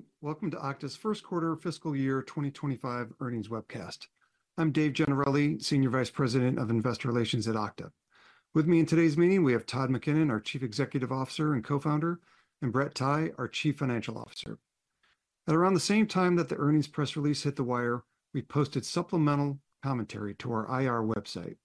Everyone, welcome to Okta's First Quarter Fiscal Year 2025 Earnings Webcast. I'm Dave Gennarelli, Senior Vice President of Investor Relations at Okta. With me in today's meeting, we have Todd McKinnon, our Chief Executive Officer and Co-Founder, and Brett Tighe, our Chief Financial Officer. At around the same time that the earnings press release hit the wire, we posted supplemental commentary to our IR website.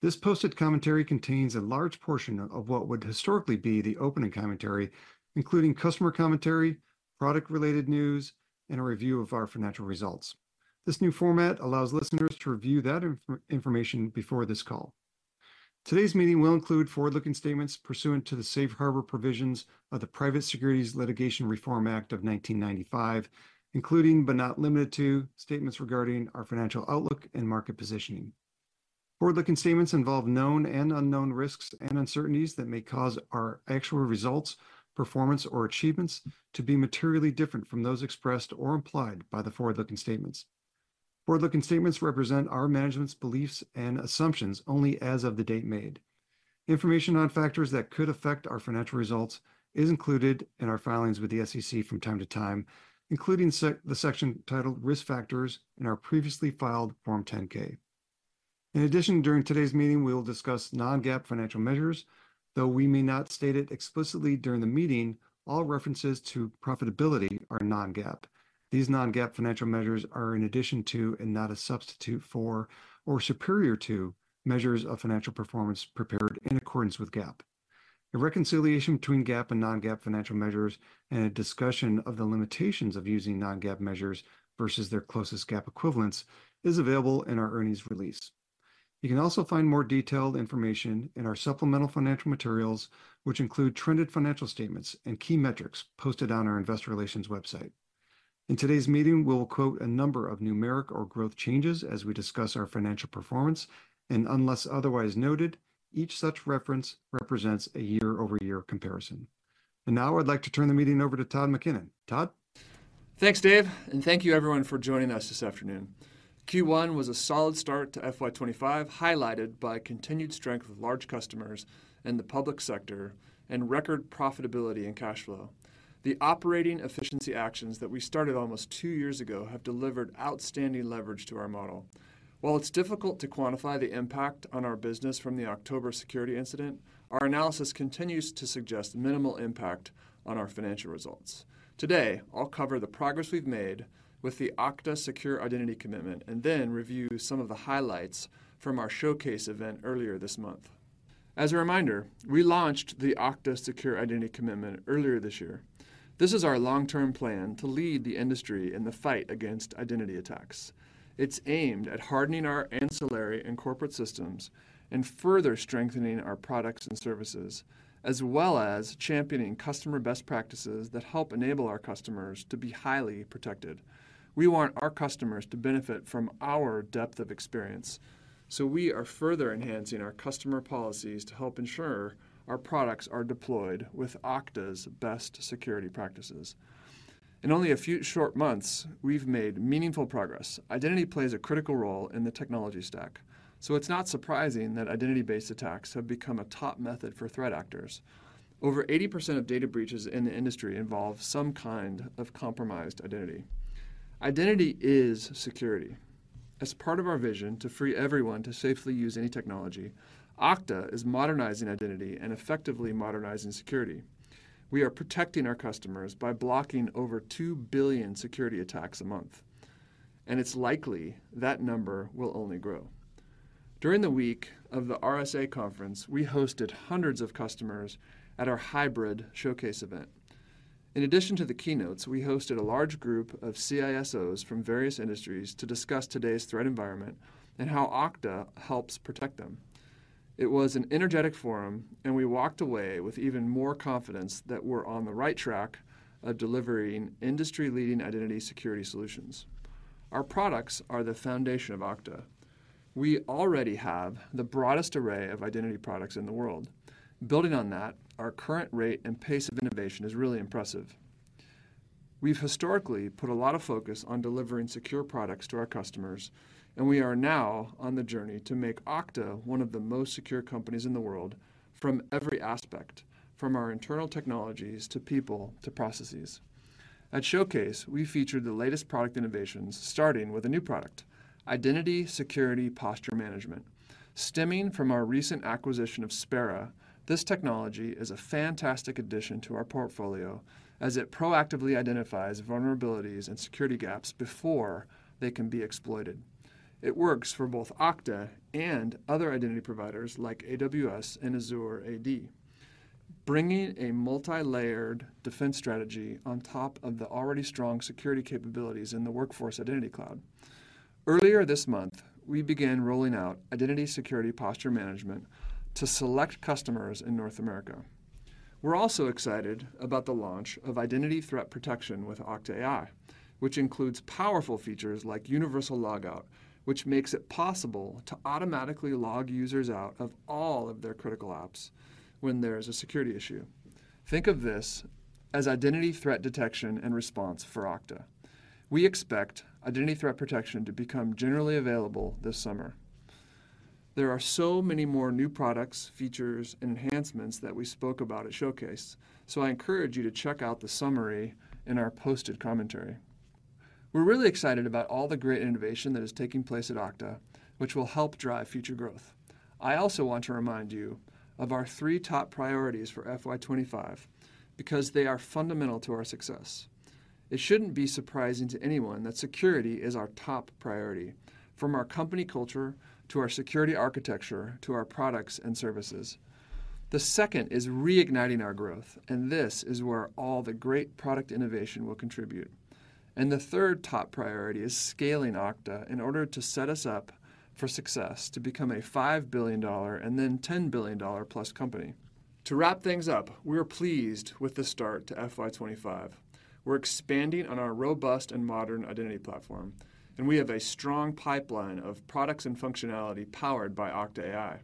This posted commentary contains a large portion of what would historically be the opening commentary, including customer commentary, product-related news, and a review of our financial results. This new format allows listeners to review that information before this call. Today's meeting will include forward-looking statements pursuant to the safe harbor provisions of the Private Securities Litigation Reform Act of 1995, including, but not limited to, statements regarding our financial outlook and market positioning. Forward-looking statements involve known and unknown risks and uncertainties that may cause our actual results, performance, or achievements to be materially different from those expressed or implied by the forward-looking statements. Forward-looking statements represent our management's beliefs and assumptions only as of the date made. Information on factors that could affect our financial results is included in our filings with the SEC from time to time, including the section titled "Risk Factors" in our previously filed Form 10-K. In addition, during today's meeting, we will discuss non-GAAP financial measures. Though we may not state it explicitly during the meeting, all references to profitability are non-GAAP. These non-GAAP financial measures are in addition to, and not a substitute for or superior to, measures of financial performance prepared in accordance with GAAP. A reconciliation between GAAP and non-GAAP financial measures and a discussion of the limitations of using non-GAAP measures versus their closest GAAP equivalents is available in our earnings release. You can also find more detailed information in our supplemental financial materials, which include trended financial statements and key metrics posted on our investor relations website. In today's meeting, we'll quote a number of numeric or growth changes as we discuss our financial performance, and unless otherwise noted, each such reference represents a year-over-year comparison. Now I'd like to turn the meeting over to Todd McKinnon. Todd? Thanks, Dave, and thank you everyone for joining us this afternoon. Q1 was a solid start to FY25, highlighted by continued strength of large customers in the public sector and record profitability and cash flow. The operating efficiency actions that we started almost two years ago have delivered outstanding leverage to our model. While it's difficult to quantify the impact on our business from the October security incident, our analysis continues to suggest minimal impact on our financial results. Today, I'll cover the progress we've made with the Okta Secure Identity Commitment, and then review some of the highlights from our showcase event earlier this month. As a reminder, we launched the Okta Secure Identity Commitment earlier this year. This is our long-term plan to lead the industry in the fight against identity attacks. It's aimed at hardening our ancillary and corporate systems and further strengthening our products and services, as well as championing customer best practices that help enable our customers to be highly protected. We want our customers to benefit from our depth of experience, so we are further enhancing our customer policies to help ensure our products are deployed with Okta's best security practices. In only a few short months, we've made meaningful progress. Identity plays a critical role in the technology stack, so it's not surprising that identity-based attacks have become a top method for threat actors. Over 80% of data breaches in the industry involve some kind of compromised identity. Identity is security. As part of our vision to free everyone to safely use any technology, Okta is modernizing identity and effectively modernizing security. We are protecting our customers by blocking over 2 billion security attacks a month, and it's likely that number will only grow. During the week of the RSA Conference, we hosted hundreds of customers at our hybrid showcase event. In addition to the keynotes, we hosted a large group of CISOs from various industries to discuss today's threat environment and how Okta helps protect them. It was an energetic forum, and we walked away with even more confidence that we're on the right track of delivering industry-leading identity security solutions. Our products are the foundation of Okta. We already have the broadest array of identity products in the world. Building on that, our current rate and pace of innovation is really impressive. We've historically put a lot of focus on delivering secure products to our customers, and we are now on the journey to make Okta one of the most secure companies in the world from every aspect, from our internal technologies, to people, to processes. At Showcase, we featured the latest product innovations, starting with a new product, Identity Security Posture Management. Stemming from our recent acquisition of Spera, this technology is a fantastic addition to our portfolio as it proactively identifies vulnerabilities and security gaps before they can be exploited. It works for both Okta and other identity providers like AWS and Azure AD, bringing a multi-layered defense strategy on top of the already strong security capabilities in the Workforce Identity Cloud. Earlier this month, we began rolling out Identity Security Posture Management to select customers in North America. We're also excited about the launch of Identity Threat Protection with Okta AI, which includes powerful features like Universal Logout, which makes it possible to automatically log users out of all of their critical apps when there is a security issue. Think of this as identity threat detection and response for Okta. We expect Identity Threat Protection to become generally available this summer. There are so many more new products, features, and enhancements that we spoke about at Showcase, so I encourage you to check out the summary in our posted commentary. We're really excited about all the great innovation that is taking place at Okta, which will help drive future growth. I also want to remind you of our three top priorities for FY25, because they are fundamental to our success. It shouldn't be surprising to anyone that security is our top priority, from our company culture, to our security architecture, to our products and services. The second is reigniting our growth, and this is where all the great product innovation will contribute. The third top priority is scaling Okta in order to set us up for success to become a $5 billion and then $10 billion-plus company. To wrap things up, we are pleased with the start to FY25. We're expanding on our robust and modern identity platform, and we have a strong pipeline of products and functionality powered by Okta AI.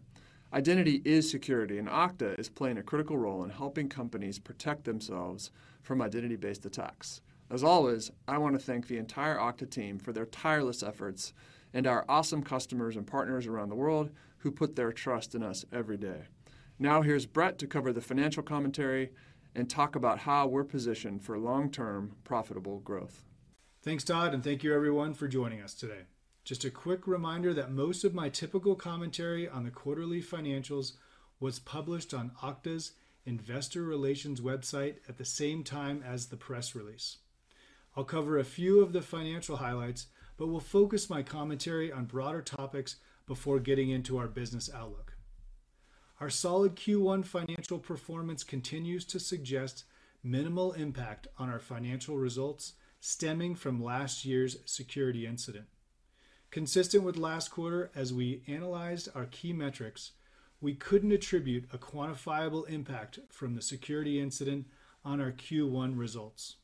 Identity is security, and Okta is playing a critical role in helping companies protect themselves from identity-based attacks. As always, I want to thank the entire Okta team for their tireless efforts and our awesome customers and partners around the world who put their trust in us every day. Now, here's Brett to cover the financial commentary and talk about how we're positioned for long-term, profitable growth. Thanks, Todd, and thank you everyone for joining us today. Just a quick reminder that most of my typical commentary on the quarterly financials was published on Okta's investor relations website at the same time as the press release. I'll cover a few of the financial highlights, but will focus my commentary on broader topics before getting into our business outlook. Our solid Q1 financial performance continues to suggest minimal impact on our financial results stemming from last year's security incident. Consistent with last quarter, as we analyzed our key metrics, we couldn't attribute a quantifiable impact from the security incident on our Q1 results.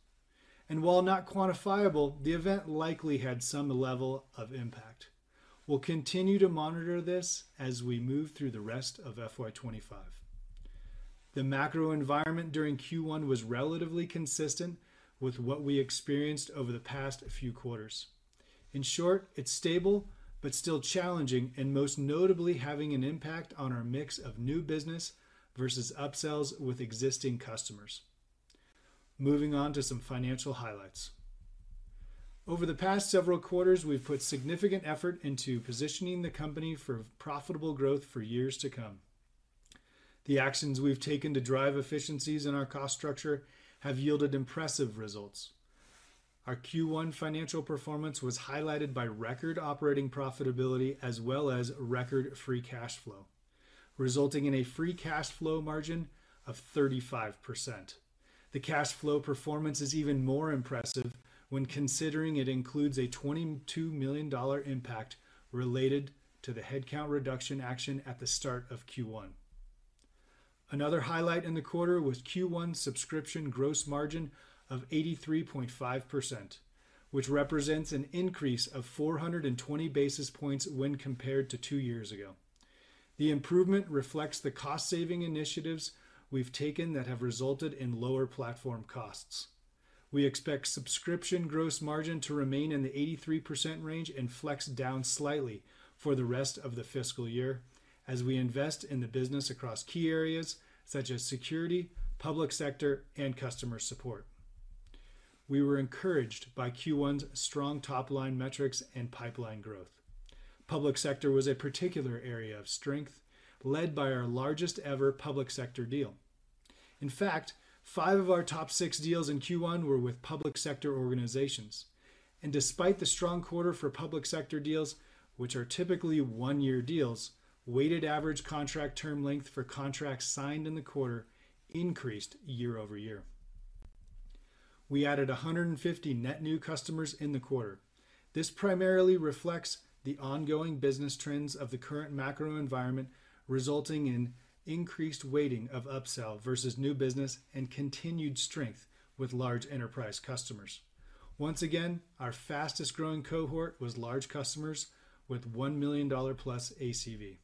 And while not quantifiable, the event likely had some level of impact. We'll continue to monitor this as we move through the rest of FY25. The macro environment during Q1 was relatively consistent with what we experienced over the past few quarters. In short, it's stable but still challenging, and most notably having an impact on our mix of new business versus upsells with existing customers. Moving on to some financial highlights. Over the past several quarters, we've put significant effort into positioning the company for profitable growth for years to come. The actions we've taken to drive efficiencies in our cost structure have yielded impressive results. Our Q1 financial performance was highlighted by record operating profitability, as well as record free cash flow, resulting in a free cash flow margin of 35%. The cash flow performance is even more impressive when considering it includes a $22 million impact related to the headcount reduction action at the start of Q1. Another highlight in the quarter was Q1 subscription gross margin of 83.5%, which represents an increase of 420 basis points when compared to two years ago. The improvement reflects the cost-saving initiatives we've taken that have resulted in lower platform costs. We expect subscription gross margin to remain in the 83% range and flex down slightly for the rest of the fiscal year as we invest in the business across key areas such as security, public sector, and customer support. We were encouraged by Q1's strong top-line metrics and pipeline growth. Public sector was a particular area of strength, led by our largest-ever public sector deal. In fact, five of our top six deals in Q1 were with public sector organizations, and despite the strong quarter for public sector deals, which are typically one-year deals, weighted average contract term length for contracts signed in the quarter increased year-over-year. We added 150 net new customers in the quarter. This primarily reflects the ongoing business trends of the current macro environment, resulting in increased weighting of upsell versus new business and continued strength with large enterprise customers. Once again, our fastest-growing cohort was large customers with $1 million-plus ACV.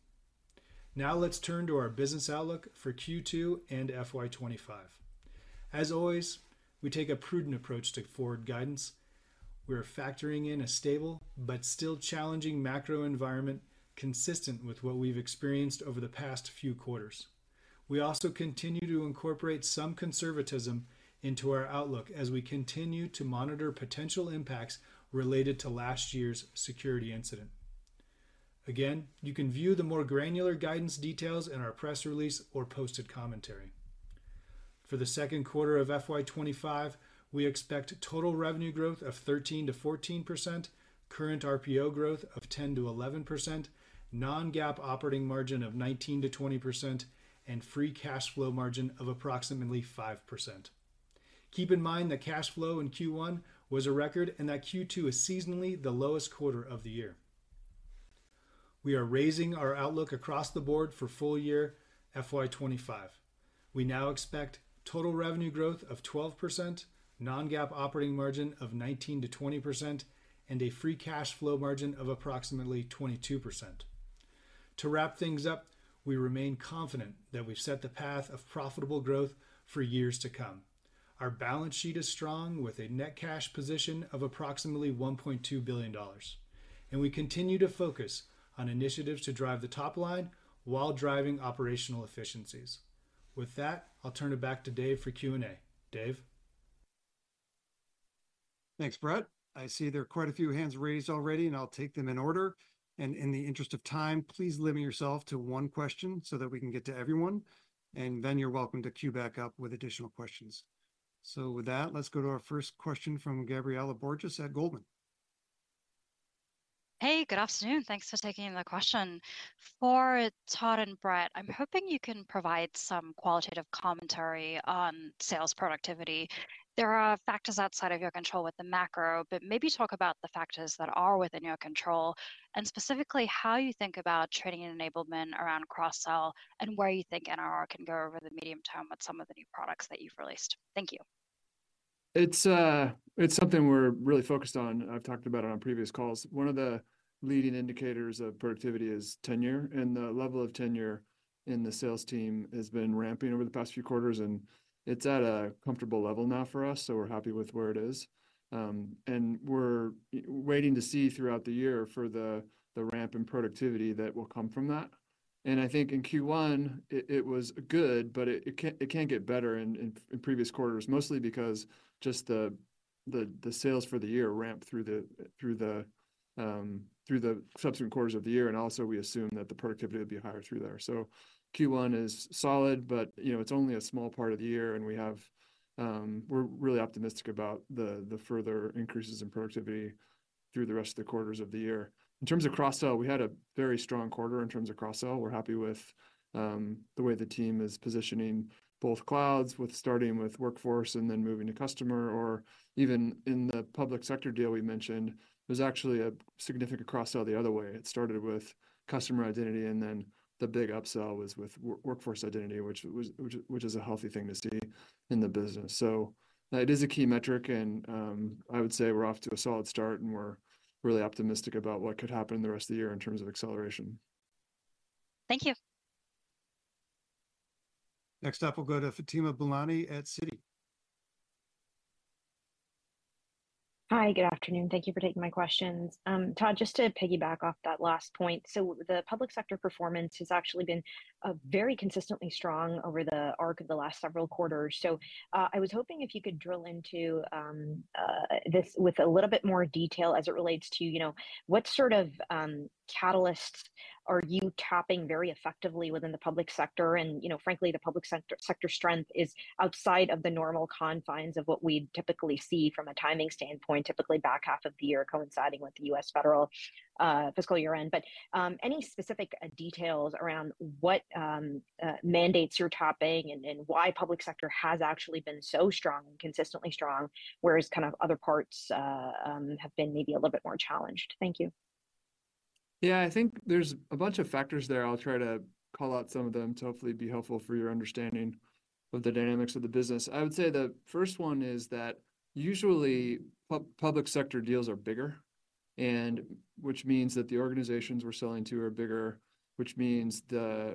Now, let's turn to our business outlook for Q2 and FY 2025. As always, we take a prudent approach to forward guidance. We are factoring in a stable but still challenging macro environment, consistent with what we've experienced over the past few quarters. We also continue to incorporate some conservatism into our outlook as we continue to monitor potential impacts related to last year's security incident. Again, you can view the more granular guidance details in our press release or posted commentary. For the second quarter of FY25, we expect total revenue growth of 13%-14%, current RPO growth of 10%-11%, non-GAAP operating margin of 19%-20%, and free cash flow margin of approximately 5%. Keep in mind that cash flow in Q1 was a record and that Q2 is seasonally the lowest quarter of the year. We are raising our outlook across the board for full year FY25. We now expect total revenue growth of 12%, non-GAAP operating margin of 19%-20%, and a free cash flow margin of approximately 22%. To wrap things up, we remain confident that we've set the path of profitable growth for years to come. Our balance sheet is strong, with a net cash position of approximately $1.2 billion, and we continue to focus on initiatives to drive the top line while driving operational efficiencies. With that, I'll turn it back to Dave for Q&A. Dave? Thanks, Brett. I see there are quite a few hands raised already, and I'll take them in order. In the interest of time, please limit yourself to one question so that we can get to everyone, and then you're welcome to queue back up with additional questions. With that, let's go to our first question from Gabriela Borges at Goldman. Hey, good afternoon. Thanks for taking the question. For Todd and Brett, I'm hoping you can provide some qualitative commentary on sales productivity. There are factors outside of your control with the macro, but maybe talk about the factors that are within your control, and specifically how you think about training and enablement around cross-sell, and where you think NRR can go over the medium term with some of the new products that you've released. Thank you. It's something we're really focused on. I've talked about it on previous calls. One of the leading indicators of productivity is tenure, and the level of tenure in the sales team has been ramping over the past few quarters, and it's at a comfortable level now for us, so we're happy with where it is. And we're waiting to see throughout the year for the ramp in productivity that will come from that. And I think in Q1, it was good, but it can get better in previous quarters, mostly because just the sales for the year ramped through the subsequent quarters of the year, and also we assume that the productivity would be higher through there. So Q1 is solid, but, you know, it's only a small part of the year, and we have-- we're really optimistic about the further increases in productivity through the rest of the quarters of the year. In terms of cross-sell, we had a very strong quarter in terms of cross-sell. We're happy with the way the team is positioning both clouds, with starting with Workforce and then moving to Customer, or even in the public sector deal we mentioned, there's actually a significant cross-sell the other way. It started with Customer Identity, and then the big upsell was with Workforce Identity, which is a healthy thing to see in the business. So it is a key metric, and I would say we're off to a solid start, and we're really optimistic about what could happen the rest of the year in terms of acceleration. Thank you. Next up, we'll go to Fatima Boolani at Citi. Hi, good afternoon. Thank you for taking my questions. Todd, just to piggyback off that last point, so the public sector performance has actually been very consistently strong over the arc of the last several quarters. So, I was hoping if you could drill into this with a little bit more detail as it relates to, you know, what sort of catalysts are you tapping very effectively within the public sector? And, you know, frankly, the public sector strength is outside of the normal confines of what we'd typically see from a timing standpoint, typically back half of the year, coinciding with the US federal fiscal year end. But, any specific details around what mandates you're tapping and why public sector has actually been so strong and consistently strong, whereas kind of other parts have been maybe a little bit more challenged? Thank you. Yeah, I think there's a bunch of factors there. I'll try to call out some of them to hopefully be helpful for your understanding of the dynamics of the business. I would say the first one is that usually public sector deals are bigger, and which means that the organizations we're selling to are bigger, which means they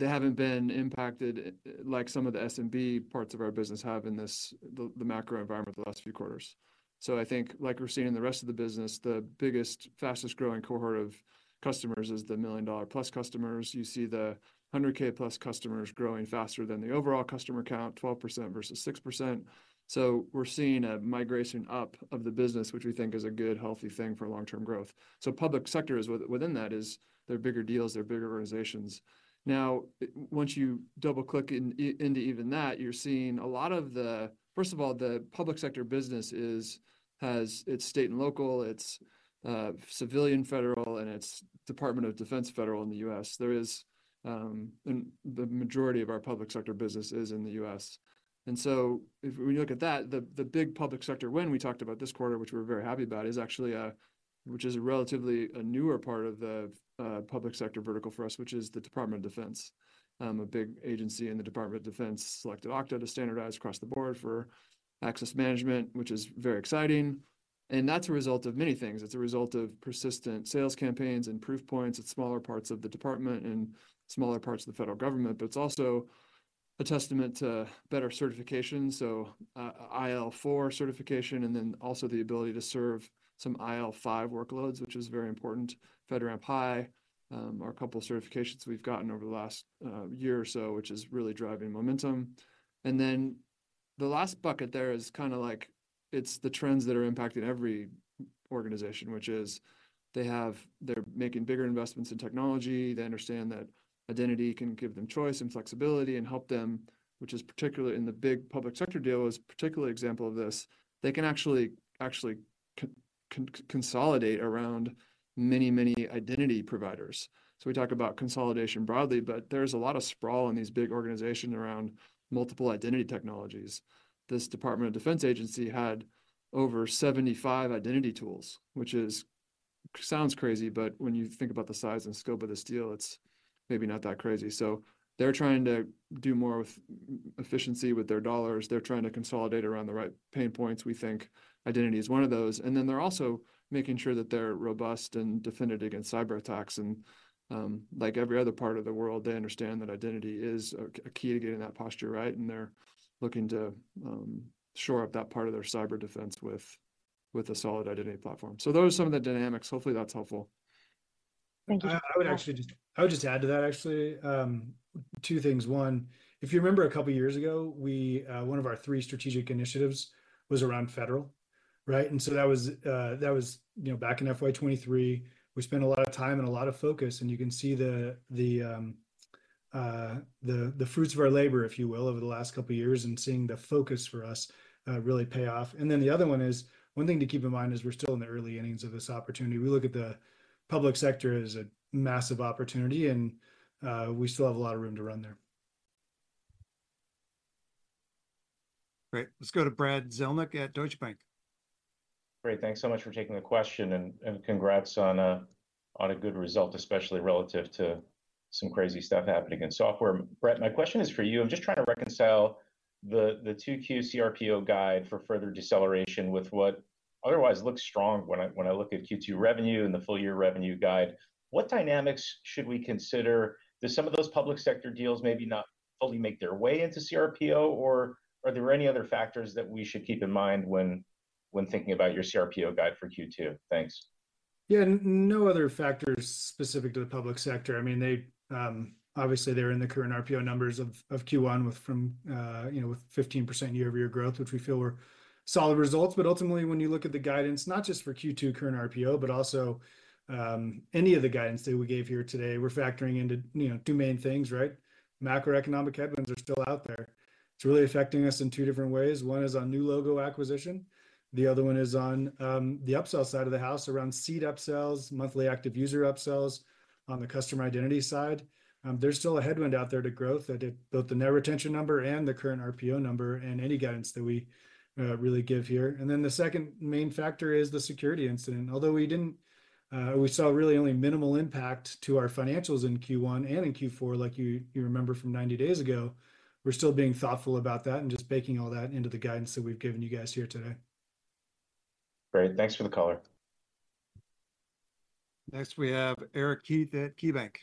haven't been impacted like some of the SMB parts of our business have in this, the macro environment the last few quarters. So I think like we're seeing in the rest of the business, the biggest, fastest-growing cohort of customers is the million-dollar-plus customers. You see the 100K-plus customers growing faster than the overall customer count, 12% versus 6%. So we're seeing a migration up of the business, which we think is a good, healthy thing for long-term growth. So public sector is within that; they're bigger deals, they're bigger organizations. Now, once you double-click into even that, you're seeing a lot of the... First of all, the public sector business is; it has: it's state and local, it's civilian, federal, and it's Department of Defense federal in the U.S. And the majority of our public sector business is in the U.S. And so if we look at that, the big public sector win we talked about this quarter, which we're very happy about, is actually which is a relatively newer part of the public sector vertical for us, which is the Department of Defense. A big agency in the Department of Defense selected Okta to standardize across the board for access management, which is very exciting. And that's a result of many things. It's a result of persistent sales campaigns and proof points at smaller parts of the department and smaller parts of the federal government. But it's also a testament to better certification, so, IL4 certification, and then also the ability to serve some IL5 workloads, which is very important. FedRAMP High are a couple of certifications we've gotten over the last year or so, which is really driving momentum. And then the last bucket there is kinda like, it's the trends that are impacting every organization, which is they're making bigger investments in technology. They understand that identity can give them choice and flexibility and help them, which is particularly in the big public sector deal is a particular example of this. They can actually consolidate around many, many identity providers. So we talk about consolidation broadly, but there's a lot of sprawl in these big organizations around multiple identity technologies. This Department of Defense agency had over 75 identity tools, which is, sounds crazy, but when you think about the size and scope of this deal, it's maybe not that crazy. So they're trying to do more with efficiency, with their dollars. They're trying to consolidate around the right pain points. We think identity is one of those. And then they're also making sure that they're robust and defended against cyberattacks, and, like every other part of the world, they understand that identity is a key to getting that posture right, and they're looking to, shore up that part of their cyber defense with a solid identity platform. So those are some of the dynamics. Hopefully, that's helpful. Thank you. I would actually just add to that, actually, two things. One, if you remember a couple of years ago, we, one of our three strategic initiatives was around federal, right? And so that was, you know, back in FY 2023. We spent a lot of time and a lot of focus, and you can see the fruits of our labor, if you will, over the last couple of years, and seeing the focus for us, really pay off. And then the other one is, one thing to keep in mind is we're still in the early innings of this opportunity. We look at the public sector as a massive opportunity, and we still have a lot of room to run there. Great. Let's go to Brad Zelnick at Deutsche Bank. Great, thanks so much for taking the question, and congrats on a good result, especially relative to some crazy stuff happening in software. Brett, my question is for you. I'm just trying to reconcile the Q2 RPO guide for further deceleration with what otherwise looks strong when I look at Q2 revenue and the full year revenue guide. What dynamics should we consider? Do some of those public sector deals maybe not fully make their way into cRPO, or are there any other factors that we should keep in mind when thinking about your cRPO guide for Q2? Thanks. Yeah, no other factors specific to the public sector. I mean, they obviously they're in the current RPO numbers of Q1, with, you know, 15% year-over-year growth, which we feel were solid results. But ultimately, when you look at the guidance, not just for Q2 current RPO, but also any of the guidance that we gave here today, we're factoring into, you know, two main things, right? Macroeconomic headwinds are still out there. It's really affecting us in two different ways. One is on new logo acquisition, the other one is on the upsell side of the house, around seed upsells, monthly active user upsells. On the Customer Identity side, there's still a headwind out there to growth that both the net retention number and the current RPO number, and any guidance that we really give here. And then the second main factor is the security incident. Although we didn't, we saw really only minimal impact to our financials in Q1 and in Q4, like you remember from 90 days ago, we're still being thoughtful about that and just baking all that into the guidance that we've given you guys here today. Great. Thanks for the color. Next, we have Eric Heath at KeyBank.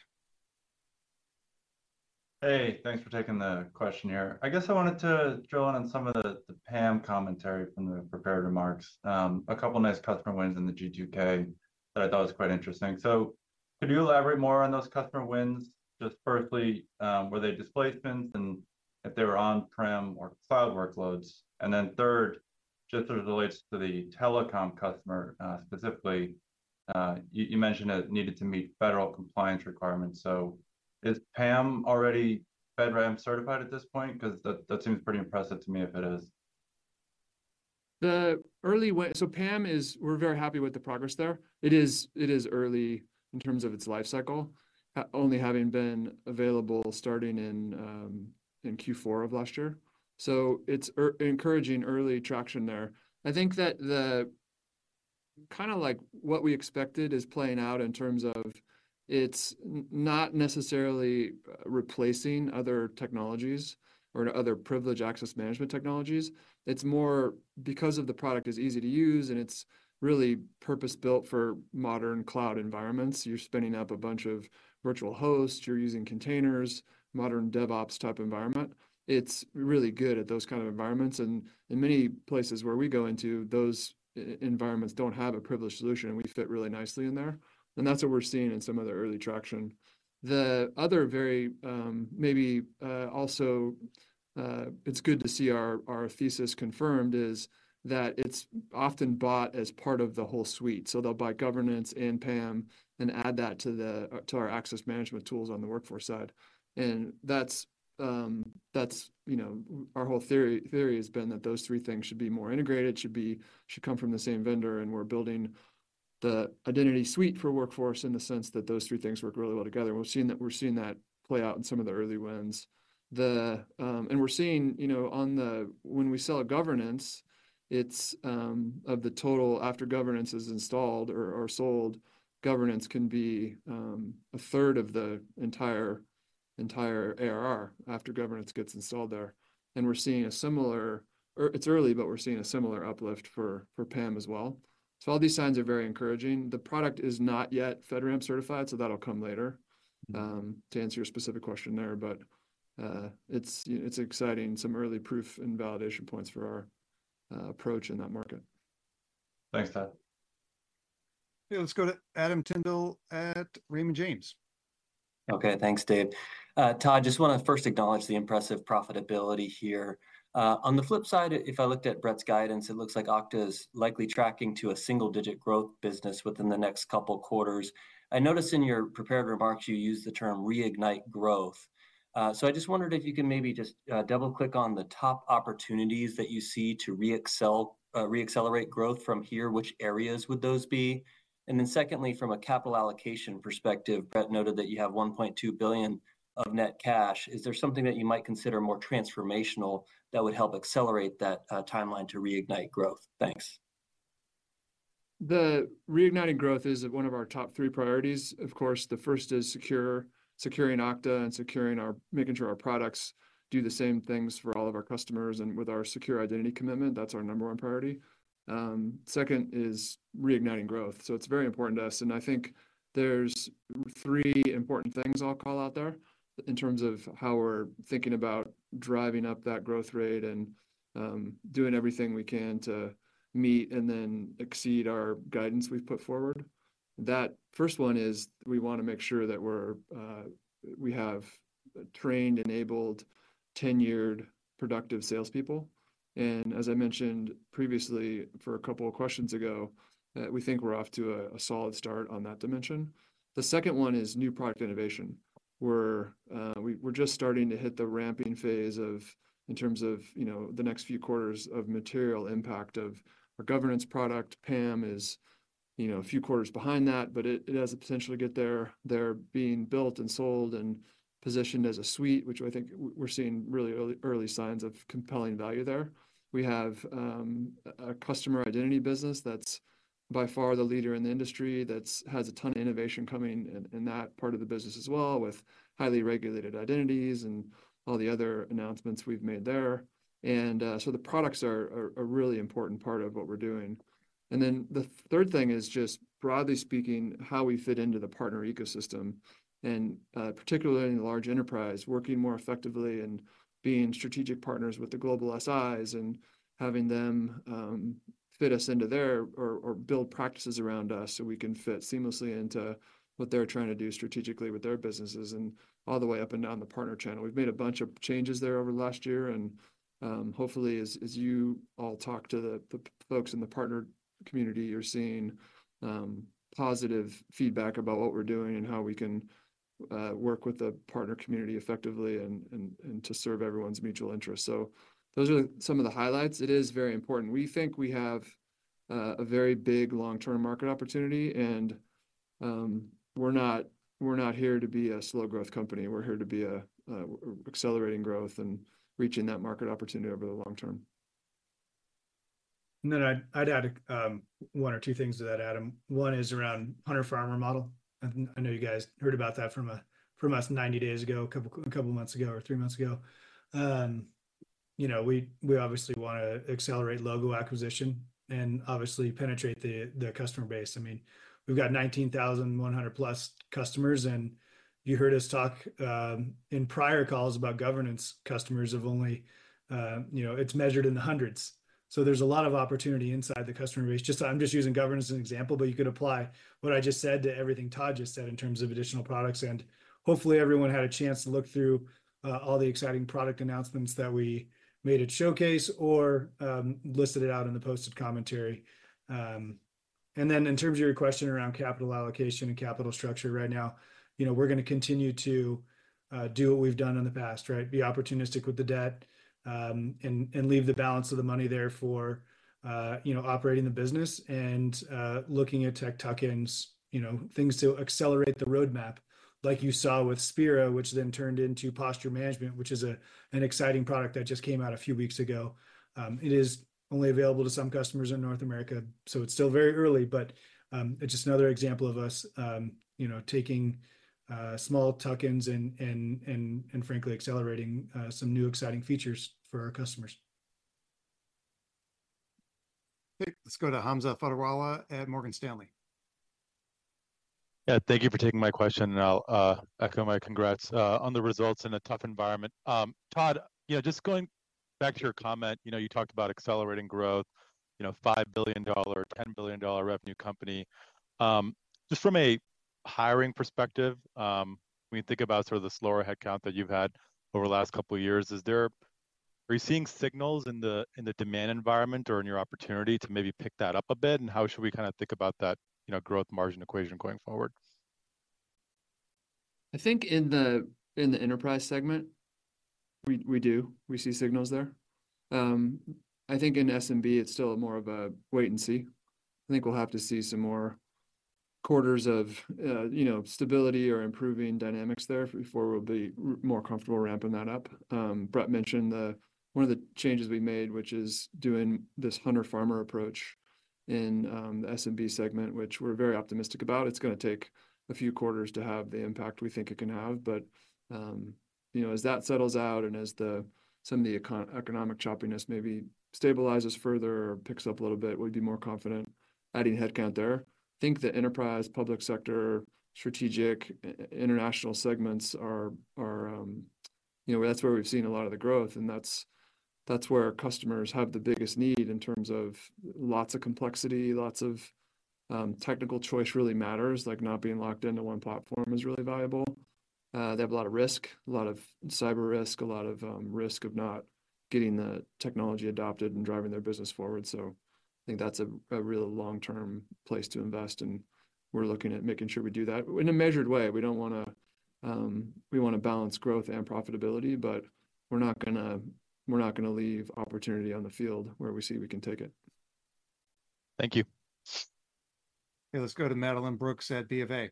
Hey, thanks for taking the question here. I guess I wanted to drill in on some of the, the PAM commentary from the prepared remarks. A couple of nice customer wins in the G2K that I thought was quite interesting. So could you elaborate more on those customer wins? Just firstly, were they displacement, and if they were on-prem or cloud workloads? And then third, just as it relates to the telecom customer, specifically, you, you mentioned it needed to meet federal compliance requirements. So is PAM already FedRAMP certified at this point? 'Cause that, that seems pretty impressive to me if it is. The early wins. So PAM is. We're very happy with the progress there. It is, it is early in terms of its life cycle, only having been available starting in, in Q4 of last year, so it's encouraging early traction there. I think that the kinda like what we expected is playing out in terms of it's not necessarily replacing other technologies or other Privileged Access management technologies. It's more because of the product is easy to use, and it's really purpose-built for modern cloud environments. You're spinning up a bunch of virtual hosts, you're using containers, modern DevOps type environment. It's really good at those kind of environments, and in many places where we go into, those environments don't have a privileged solution, and we fit really nicely in there. And that's what we're seeing in some of the early traction. It's good to see our thesis confirmed, is that it's often bought as part of the whole suite. So they'll buy governance and PAM and add that to our access management tools on the workforce side. And that's, you know, our whole theory has been that those three things should be more integrated, should come from the same vendor, and we're building the identity suite for workforce in the sense that those three things work really well together. We're seeing that play out in some of the early wins. The... We're seeing, you know, when we sell a governance, it's of the total. After governance is installed or sold, governance can be a third of the entire ARR after governance gets installed there. We're seeing a similar. Or it's early, but we're seeing a similar uplift for PAM as well. So all these signs are very encouraging. The product is not yet FedRAMP certified, so that'll come later to answer your specific question there. But it's, you know, it's exciting, some early proof and validation points for our approach in that market. Thanks, Todd. Okay, let's go to Adam Tindle at Raymond James. Okay, thanks, Dave. Todd, just wanna first acknowledge the impressive profitability here. On the flip side, if I looked at Brett's guidance, it looks like Okta is likely tracking to a single-digit growth business within the next couple quarters. I noticed in your prepared remarks, you used the term, "reignite growth." So I just wondered if you can maybe just double-click on the top opportunities that you see to re-accelerate growth from here, which areas would those be? And then secondly, from a capital allocation perspective, Brett noted that you have $1.2 billion of net cash. Is there something that you might consider more transformational that would help accelerate that timeline to reignite growth? Thanks. Reigniting growth is one of our top three priorities. Of course, the first is securing Okta and securing our... making sure our products do the same things for all of our customers and with our secure identity commitment, that's our number one priority. Second is reigniting growth. So it's very important to us, and I think there's three important things I'll call out there in terms of how we're thinking about driving up that growth rate and, doing everything we can to meet and then exceed our guidance we've put forward. That first one is, we wanna make sure that we're trained, enabled, tenured, productive salespeople. And as I mentioned previously, for a couple of questions ago, we think we're off to a solid start on that dimension. The second one is new product innovation, where we, we're just starting to hit the ramping phase of, in terms of, you know, the next few quarters of material impact of our governance product. PAM is, you know, a few quarters behind that, but it has the potential to get there. They're being built and sold and positioned as a suite, which I think we're seeing really early signs of compelling value there. We have a Customer Identity business that's by far the leader in the industry, that has a ton of innovation coming in, in that part of the business as well, with highly regulated identities and all the other announcements we've made there. And so the products are a really important part of what we're doing. And then the third thing is just, broadly speaking, how we fit into the partner ecosystem and, particularly in large enterprise, working more effectively and being strategic partners with the global SIs, and having them fit us into their or build practices around us, so we can fit seamlessly into what they're trying to do strategically with their businesses, and all the way up and down the partner channel. We've made a bunch of changes there over last year, and, hopefully, as you all talk to the folks in the partner community, you're seeing positive feedback about what we're doing and how we can work with the partner community effectively and to serve everyone's mutual interest. So those are some of the highlights. It is very important. We think we have a very big long-term market opportunity, and we're not, we're not here to be a slow growth company. We're here to be a accelerating growth and reaching that market opportunity over the long term. Then I'd add one or two things to that, Adam. One is around hunter-farmer model. I know you guys heard about that from us 90 days ago, a couple months ago, or three months ago. You know, we obviously wanna accelerate logo acquisition and obviously penetrate the customer base. I mean, we've got 19,100+ customers, and you heard us talk in prior calls about governance customers of only, you know, it's measured in the hundreds. So there's a lot of opportunity inside the customer base. I'm just using governance as an example, but you could apply what I just said to everything Todd just said in terms of additional products. Hopefully, everyone had a chance to look through all the exciting product announcements that we made at Showcase or listed it out in the posted commentary. Then in terms of your question around capital allocation and capital structure right now, you know, we're gonna continue to do what we've done in the past, right? Be opportunistic with the debt, and leave the balance of the money there for, you know, operating the business and looking at tech tuck-ins, you know, things to accelerate the roadmap, like you saw with Spera, which then turned into Posture Management, which is an exciting product that just came out a few weeks ago. It is only available to some customers in North America, so it's still very early, but it's just another example of us, you know, taking small tuck-ins and frankly accelerating some new exciting features for our customers. Let's go to Hamza Fodderwala at Morgan Stanley. Yeah, thank you for taking my question, and I'll echo my congrats on the results in a tough environment. Todd, yeah, just going back to your comment, you know, you talked about accelerating growth, you know, $5 billion, $10 billion revenue company. Just from a hiring perspective, when you think about sort of the slower headcount that you've had over the last couple of years, are you seeing signals in the, in the demand environment or in your opportunity to maybe pick that up a bit? And how should we kinda think about that, you know, growth margin equation going forward? I think in the enterprise segment, we do. We see signals there. I think in SMB, it's still more of a wait and see. I think we'll have to see some more quarters of you know, stability or improving dynamics there before we'll be more comfortable ramping that up. Brett mentioned one of the changes we made, which is doing this hunter-farmer approach in the SMB segment, which we're very optimistic about. It's gonna take a few quarters to have the impact we think it can have. But you know, as that settles out, and as some of the economic choppiness maybe stabilizes further or picks up a little bit, we'd be more confident adding headcount there. I think the enterprise, public sector, strategic, international segments are, you know, that's where we've seen a lot of the growth, and that's where our customers have the biggest need in terms of lots of complexity, lots of technical choice really matters, like not being locked into one platform is really valuable. They have a lot of risk, a lot of cyber risk, a lot of risk of not getting the technology adopted and driving their business forward. So I think that's a really long-term place to invest, and we're looking at making sure we do that in a measured way. We don't wanna. We wanna balance growth and profitability, but we're not gonna leave opportunity on the field where we see we can take it. Thank you. Okay, let's go to Madeline Brooks at BofA.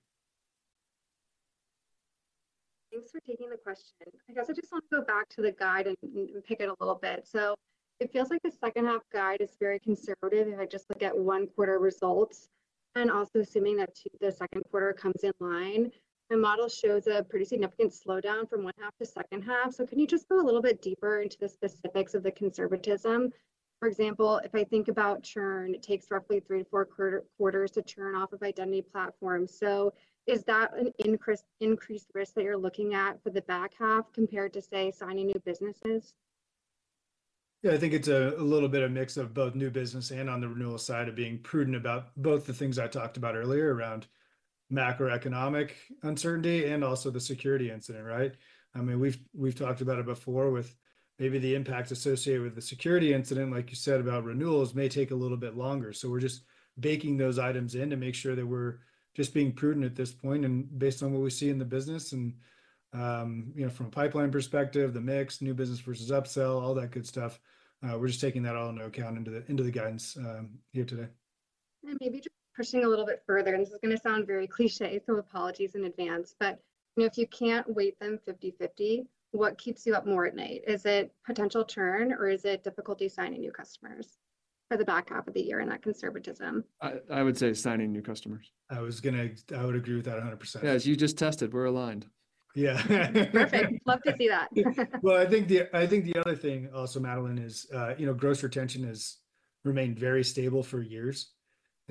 Thanks for taking the question. I guess I just want to go back to the guide and pick it a little bit. So it feels like the second half guide is very conservative, if I just look at one quarter results. And also assuming that the second quarter comes in line, the model shows a pretty significant slowdown from one half to second half. So can you just go a little bit deeper into the specifics of the conservatism? For example, if I think about churn, it takes roughly three to four quarters to churn off of identity platform. So is that an increased risk that you're looking at for the back half, compared to, say, signing new businesses?... Yeah, I think it's a little bit of a mix of both new business and on the renewal side of being prudent about both the things I talked about earlier around macroeconomic uncertainty and also the security incident, right? I mean, we've talked about it before with maybe the impact associated with the security incident, like you said, about renewals may take a little bit longer. So we're just baking those items in to make sure that we're just being prudent at this point, and based on what we see in the business and, you know, from a pipeline perspective, the mix, new business versus upsell, all that good stuff, we're just taking that all into account into the guidance here today. Maybe just pushing a little bit further, and this is gonna sound very cliché, so apologies in advance, but, you know, if you can't weigh them 50/50, what keeps you up more at night? Is it potential churn, or is it difficulty signing new customers for the back half of the year and that conservatism? I would say signing new customers. I would agree with that 100%. Yeah, as you just tested, we're aligned. Yeah. Perfect. Love to see that. Well, I think the other thing also, Madeline, is, you know, gross retention has remained very stable for years,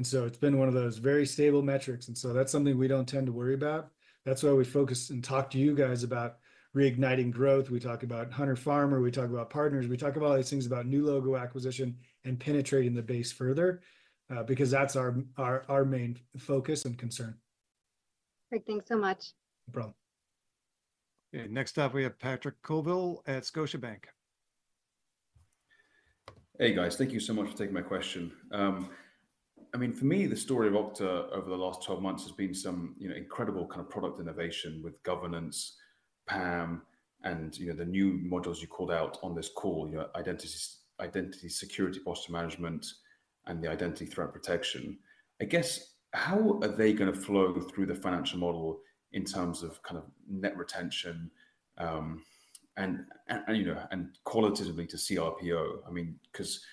and so it's been one of those very stable metrics, and so that's something we don't tend to worry about. That's why we focus and talk to you guys about reigniting growth. We talk about Hunter-Farmer, we talk about partners, we talk about all these things, about new logo acquisition and penetrating the base further, because that's our, our, our main focus and concern. Great, thanks so much. No problem. Okay, next up, we have Patrick Colville at Scotiabank. Hey, guys. Thank you so much for taking my question. I mean, for me, the story of Okta over the last 12 months has been some, you know, incredible kind of product innovation with governance, PAM, and, you know, the new modules you called out on this call, your Identity Security Posture Management, and the Identity Threat Protection. I guess, how are they gonna flow through the financial model in terms of kind of net retention, and, you know, and qualitatively to CRPO? I mean, 'cause,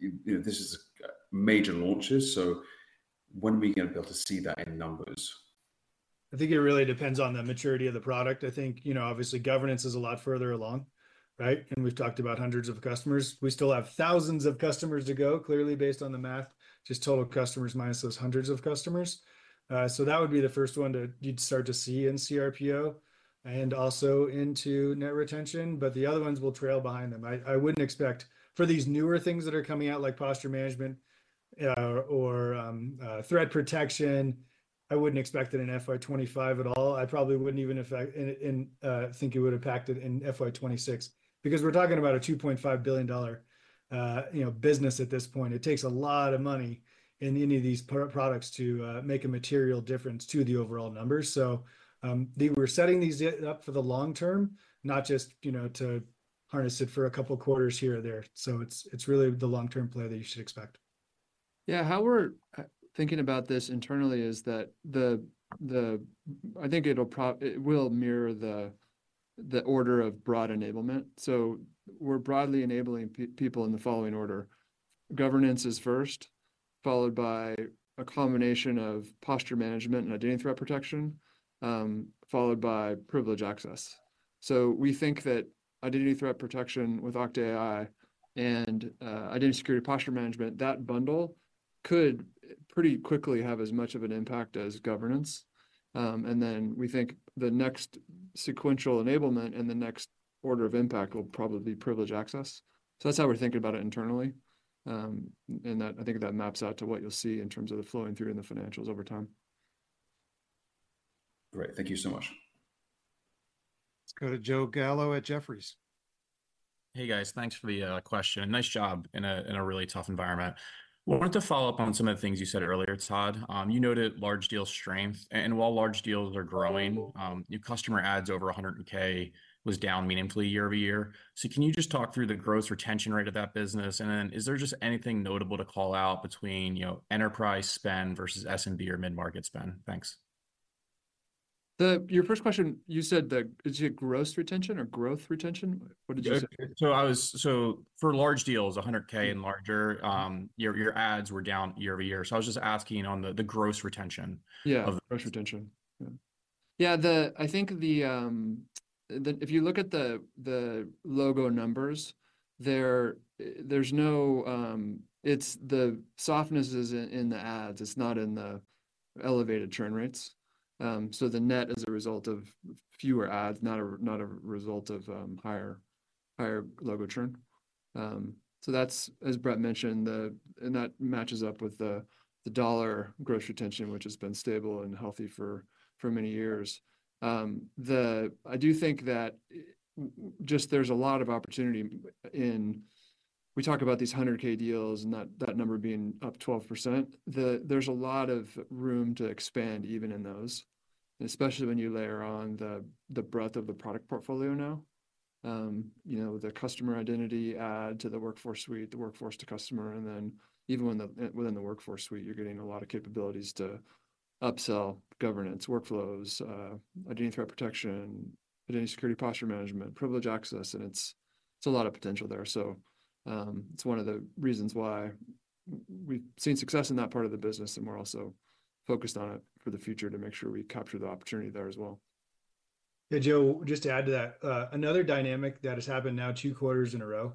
you know, this is major launches, so when are we gonna be able to see that in numbers? I think it really depends on the maturity of the product. I think, you know, obviously, governance is a lot further along, right? And we've talked about hundreds of customers. We still have thousands of customers to go, clearly, based on the math, just total customers minus those hundreds of customers. So that would be the first one you'd start to see in CRPO and also into net retention, but the other ones will trail behind them. I wouldn't expect... For these newer things that are coming out, like posture management or threat protection, I wouldn't expect it in FY25 at all. I probably wouldn't even think it would impact it in FY26, because we're talking about a $2.5 billion, you know, business at this point. It takes a lot of money in any of these products to make a material difference to the overall numbers. So, we're setting these up for the long term, not just, you know, to harness it for a couple of quarters here or there. So it's really the long-term play that you should expect. Yeah, how we're thinking about this internally is that the I think it will mirror the order of broad enablement. So we're broadly enabling people in the following order: Governance is first, followed by a combination of posture management and Identity Threat Protection, followed by Privileged Access. So we think that Identity Threat Protection with Okta AI and Identity Security Posture Management, that bundle could pretty quickly have as much of an impact as governance. And then we think the next sequential enablement and the next order of impact will probably be Privileged Access. So that's how we're thinking about it internally. And that, I think that maps out to what you'll see in terms of the flowing through in the financials over time. Great. Thank you so much. Let's go to Joe Gallo at Jefferies. Hey, guys. Thanks for the question. Nice job in a really tough environment. Thank you. I wanted to follow up on some of the things you said earlier, Todd. You noted large deal strength, and while large deals are growing, your customer adds over 100k was down meaningfully year-over-year. So can you just talk through the gross retention rate of that business? And then is there just anything notable to call out between, you know, enterprise spend versus SMB or mid-market spend? Thanks. Your first question, you said the, is it gross retention or growth retention? What did you say? For large deals, $100k and larger, your ACVs were down year-over-year. So I was just asking on the gross retention- Yeah... of- Gross retention. Yeah. Yeah, I think the, if you look at the logo numbers there, there's no—it's the softness is in the adds, it's not in the elevated churn rates. So the net is a result of fewer adds, not a result of higher logo churn. So that's, as Brett mentioned, the... And that matches up with the dollar gross retention, which has been stable and healthy for many years. I do think that just there's a lot of opportunity in, we talk about these $100K deals and that number being up 12%. There's a lot of room to expand even in those, and especially when you layer on the breadth of the product portfolio now. You know, the Customer Identity to the workforce suite, the workforce to customer, and then even when within the workforce suite, you're getting a lot of capabilities to upsell governance, workflows, Identity Threat Protection, Identity Security Posture Management, Privileged Access, and it's a lot of potential there. So, it's one of the reasons why we've seen success in that part of the business, and we're also focused on it for the future to make sure we capture the opportunity there as well.... Hey, Joe, just to add to that, another dynamic that has happened now two quarters in a row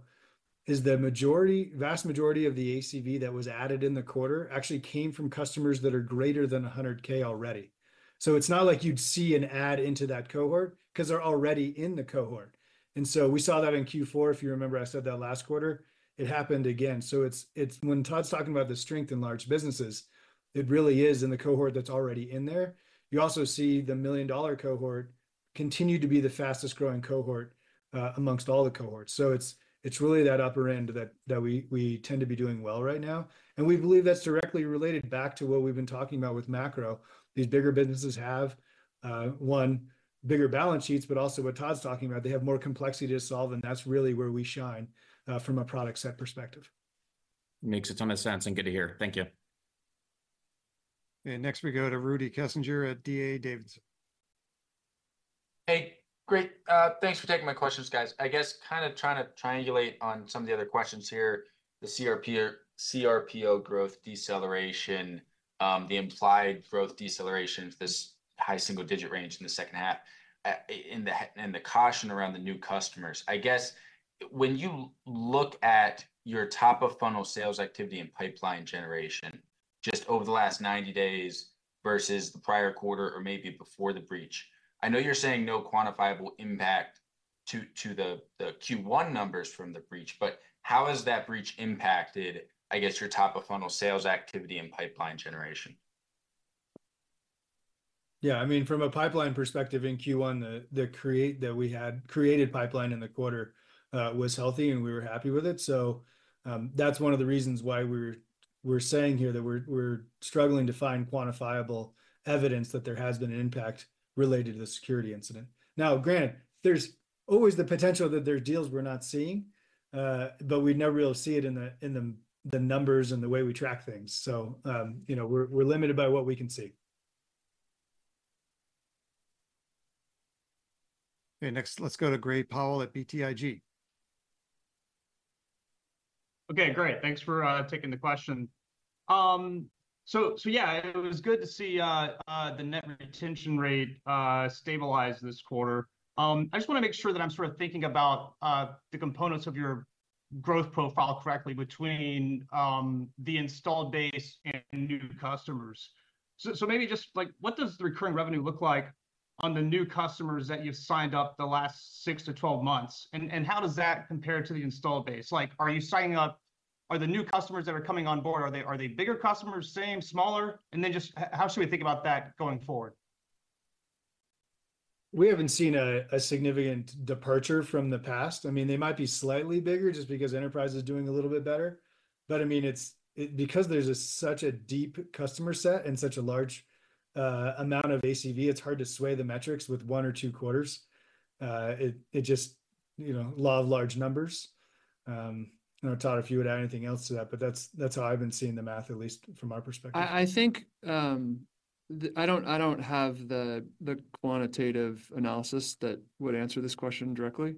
is the majority, vast majority of the ACV that was added in the quarter actually came from customers that are greater than $100K already. So it's not like you'd see an add into that cohort, 'cause they're already in the cohort. And so we saw that in Q4, if you remember I said that last quarter. It happened again, so it's, it's when Todd's talking about the strength in large businesses, it really is in the cohort that's already in there. You also see the $1 million-dollar cohort continue to be the fastest-growing cohort amongst all the cohorts. So it's really that upper end that we tend to be doing well right now, and we believe that's directly related back to what we've been talking about with macro. These bigger businesses have one, bigger balance sheets, but also what Todd's talking about, they have more complexity to solve, and that's really where we shine, from a product set perspective. Makes a ton of sense and good to hear. Thank you. And next, we go to Rudy Kessinger at D.A. Davidson. Hey, great. Thanks for taking my questions, guys. I guess kind of trying to triangulate on some of the other questions here, the CRPO growth deceleration, the implied growth deceleration for this high single-digit range in the second half, in the caution around the new customers. I guess, when you look at your top-of-funnel sales activity and pipeline generation, just over the last 90 days versus the prior quarter or maybe before the breach, I know you're saying no quantifiable impact to the Q1 numbers from the breach, but how has that breach impacted your top-of-funnel sales activity and pipeline generation? Yeah, I mean, from a pipeline perspective in Q1, the created pipeline in the quarter was healthy, and we were happy with it. So, that's one of the reasons why we're saying here that we're struggling to find quantifiable evidence that there has been an impact related to the security incident. Now, granted, there's always the potential that there are deals we're not seeing, but we never really see it in the numbers and the way we track things. So, you know, we're limited by what we can see. Okay, next, let's go to Gray Powell at BTIG. Okay, great. Thanks for taking the question. So, yeah, it was good to see the net retention rate stabilize this quarter. I just wanna make sure that I'm sort of thinking about the components of your growth profile correctly between the installed base and new customers. So, maybe just, like, what does the recurring revenue look like on the new customers that you've signed up the last six to 12 months? And how does that compare to the installed base? Like, are the new customers that are coming on board, are they bigger customers, same, smaller? And then just how should we think about that going forward? We haven't seen a significant departure from the past. I mean, they might be slightly bigger, just because enterprise is doing a little bit better. But, I mean, it's because there's such a deep customer set and such a large amount of ACV, it's hard to sway the metrics with one or two quarters. It just, you know, law of large numbers. You know, Todd, if you would add anything else to that, but that's how I've been seeing the math, at least from our perspective. I think I don't have the quantitative analysis that would answer this question directly,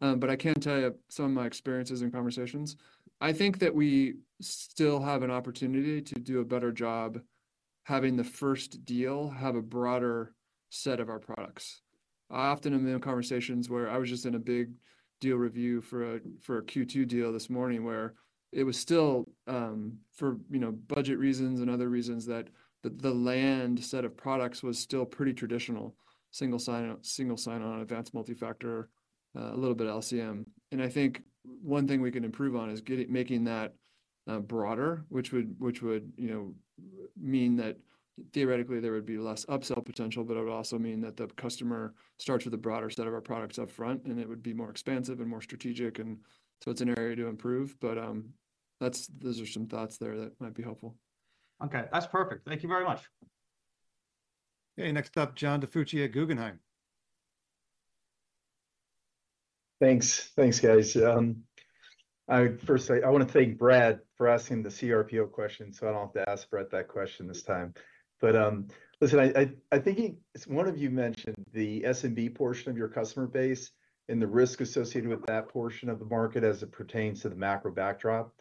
but I can tell you some of my experiences and conversations. I think that we still have an opportunity to do a better job having the first deal, have a broader set of our products. I often am in conversations where I was just in a big deal review for a Q2 deal this morning, where it was still, for you know, budget reasons and other reasons, that the land set of products was still pretty traditional, single sign-on, single sign-on, advanced multifactor, a little bit LCM. I think one thing we can improve on is making that broader, which would, you know, mean that theoretically there would be less upsell potential, but it would also mean that the customer starts with a broader set of our products up front, and it would be more expansive and more strategic, and so it's an area to improve. But, those are some thoughts there that might be helpful. Okay, that's perfect. Thank you very much. Okay, next up, John DiFucci at Guggenheim. Thanks. Thanks, guys. I wanna thank Brad for asking the cRPO question, so I don't have to ask Brad that question this time. But listen, I think it's one of you mentioned the S&P portion of your customer base and the risk associated with that portion of the market as it pertains to the macro backdrop.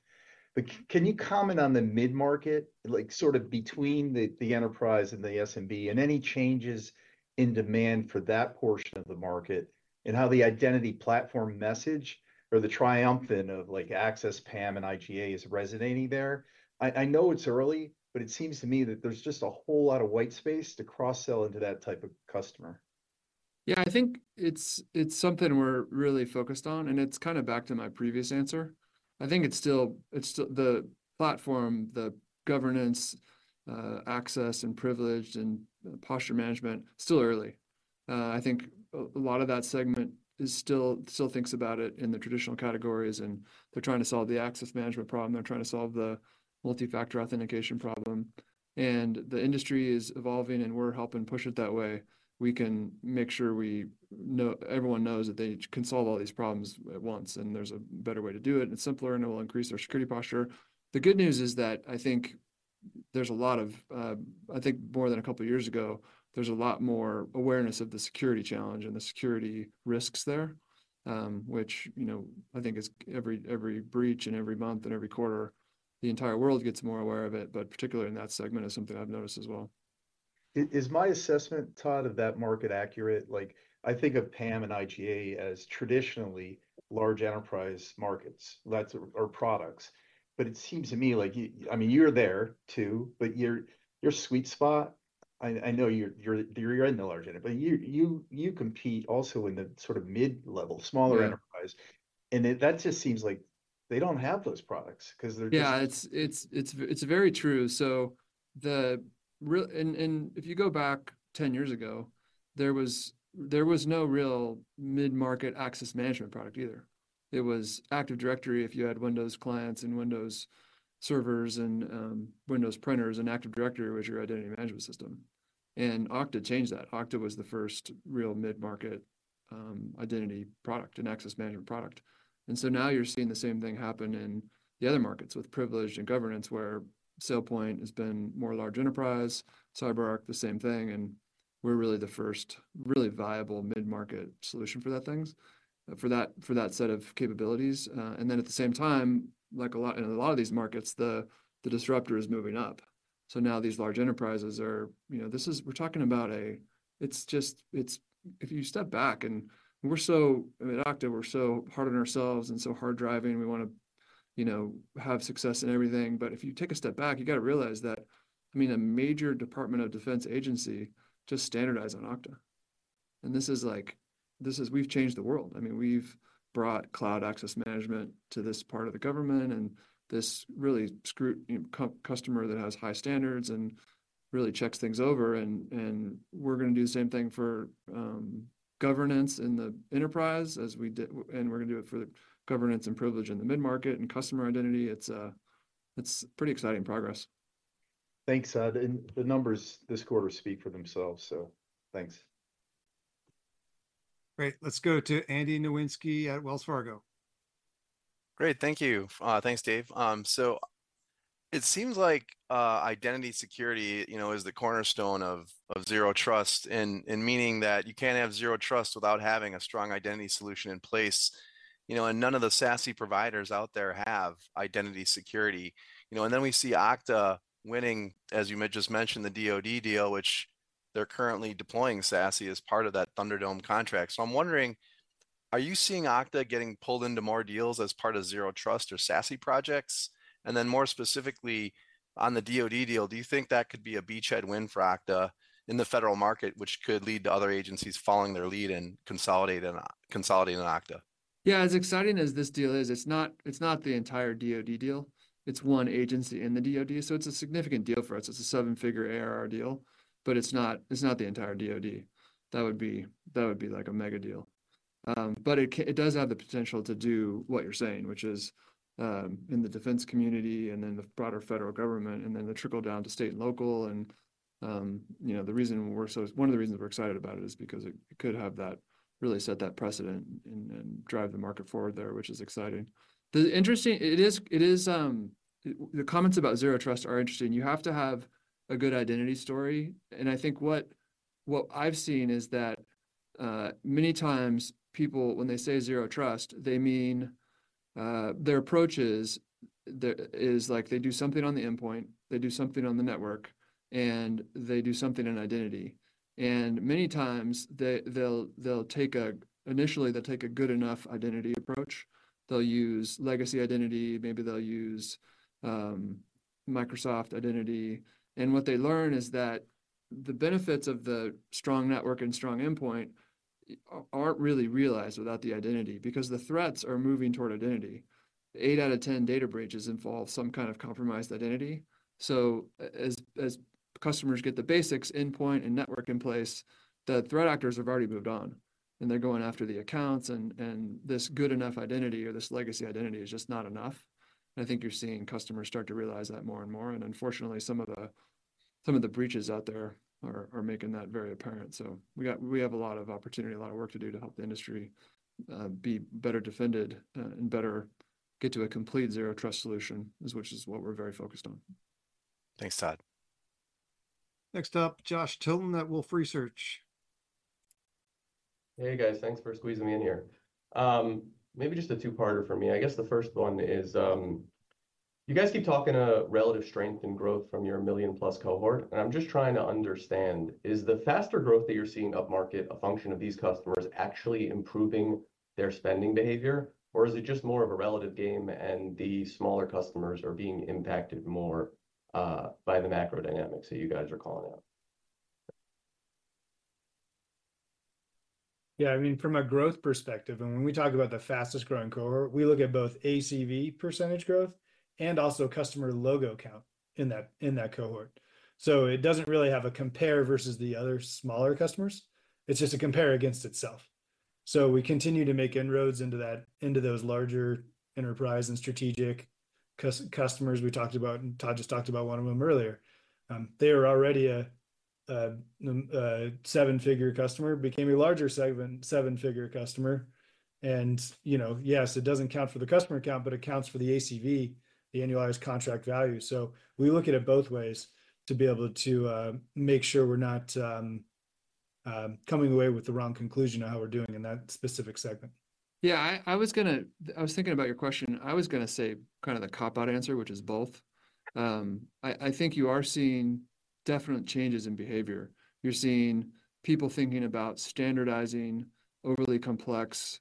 But can you comment on the mid-market, like, sort of between the enterprise and the SMB, and any changes in demand for that portion of the market, and how the identity platform message or the triumvirate of, like, Access, PAM, and IGA is resonating there? I know it's early, but it seems to me that there's just a whole lot of white space to cross-sell into that type of customer. Yeah, I think it's something we're really focused on, and it's kind of back to my previous answer. I think it's still. The platform, the governance, access and privilege and posture management, still early. I think a lot of that segment still thinks about it in the traditional categories, and they're trying to solve the access management problem, they're trying to solve the multi-factor authentication problem. The industry is evolving, and we're helping push it that way. We can make sure everyone knows that they can solve all these problems at once, and there's a better way to do it, and simpler, and it will increase their security posture. The good news is that, I think there's a lot of. I think more than a couple of years ago, there's a lot more awareness of the security challenge and the security risks there, which, you know, I think is every breach and every month and every quarter, the entire world gets more aware of it, but particularly in that segment, is something I've noticed as well. Is my assessment, Todd, of that market accurate? Like, I think of PAM and IGA as traditionally large enterprise markets, lots of, or products. But it seems to me like you, I mean, you're there too, but your sweet spot, I know you're in the large enterprise, but you compete also in the sort of mid-level, smaller- Yeah enterprise. And it, that just seems like they don't have those products 'cause they're just- Yeah, it's very true. So the real and if you go back 10 years ago, there was no real mid-market access management product either. It was Active Directory if you had Windows clients and Windows servers and Windows printers, and Active Directory was your identity management system, and Okta changed that. Okta was the first real mid-market identity product and access management product. And so now you're seeing the same thing happen in the other markets with privilege and governance, where SailPoint has been more large enterprise, CyberArk, the same thing, and we're really the first really viable mid-market solution for that things, for that set of capabilities. And then at the same time, like a lot. In a lot of these markets, the disruptor is moving up. So now these large enterprises are, you know, this is—we're talking about. It's just, it's—if you step back and we're so, I mean, at Okta, we're so hard on ourselves and so hard driving, we wanna, you know, have success in everything. But if you take a step back, you gotta realize that, I mean, a major Department of Defense agency just standardized on Okta, and this is like, this is—we've changed the world. I mean, we've brought cloud access management to this part of the government and this really scrupulous customer that has high standards and really checks things over, and we're gonna do the same thing for governance in the enterprise as we did. And we're gonna do it for the governance and privilege in the mid-market and Customer Identity. It's pretty exciting progress. Thanks, Todd, and the numbers this quarter speak for themselves, so thanks. Great. Let's go to Andy Nowinski at Wells Fargo. Great. Thank you. Thanks, Dave. So it seems like identity security, you know, is the cornerstone of zero trust, and meaning that you can't have zero trust without having a strong identity solution in place. You know, and none of the SASE providers out there have identity security. You know, and then we see Okta winning, as you just mentioned, the DoD deal, which they're currently deploying SASE as part of that Thunderdome contract. So I'm wondering, are you seeing Okta getting pulled into more deals as part of zero trust or SASE projects? And then more specifically, on the DoD deal, do you think that could be a beachhead win for Okta in the federal market, which could lead to other agencies following their lead and consolidating on Okta? Yeah, as exciting as this deal is, it's not the entire DoD deal. It's one agency in the DoD, so it's a significant deal for us. It's a seven-figure ARR deal, but it's not the entire DoD. That would be like a mega deal. But it does have the potential to do what you're saying, which is in the defense community and then the broader federal government, and then the trickle down to state and local, and you know, one of the reasons we're excited about it is because it could have that, really set that precedent and drive the market forward there, which is exciting. The interesting—it is the comments about Zero Trust are interesting. You have to have a good identity story, and I think what I've seen is that many times, people when they say Zero Trust, they mean their approach is like they do something on the endpoint, they do something on the network, and they do something on identity. And many times, they'll initially take a good enough identity approach. They'll use legacy identity, maybe they'll use Microsoft identity. And what they learn is that the benefits of the strong network and strong endpoint aren't really realized without the identity, because the threats are moving toward identity. 8 out of 10 data breaches involve some kind of compromised identity. So as customers get the basics, endpoint and network in place, the threat actors have already moved on, and they're going after the accounts, and this good enough identity or this legacy identity is just not enough. And I think you're seeing customers start to realize that more and more, and unfortunately, some of the breaches out there are making that very apparent. So we have a lot of opportunity, a lot of work to do to help the industry be better defended, and better get to a complete Zero Trust solution, which is what we're very focused on. Thanks, Todd. Next up, Josh Tilton at Wolfe Research. Hey, guys. Thanks for squeezing me in here. Maybe just a two-parter for me. I guess the first one is, you guys keep talking about relative strength and growth from your million-plus cohort, and I'm just trying to understand, is the faster growth that you're seeing upmarket a function of these customers actually improving their spending behavior? Or is it just more of a relative game, and the smaller customers are being impacted more by the macro dynamics that you guys are calling out? Yeah, I mean, from a growth perspective, and when we talk about the fastest-growing cohort, we look at both ACV percentage growth and also customer logo count in that, in that cohort. So it doesn't really have a compare versus the other smaller customers. It's just a compare against itself. So we continue to make inroads into that, into those larger enterprise and strategic customers we talked about, and Todd just talked about one of them earlier. They were already a seven-figure customer, became a larger seven-figure customer, and, you know, yes, it doesn't count for the customer count, but it counts for the ACV, the annualized contract value. So we look at it both ways to be able to make sure we're not coming away with the wrong conclusion of how we're doing in that specific segment? Yeah, I was thinking about your question. I was gonna say kind of the cop-out answer, which is both. I think you are seeing definite changes in behavior. You're seeing people thinking about standardizing overly complex,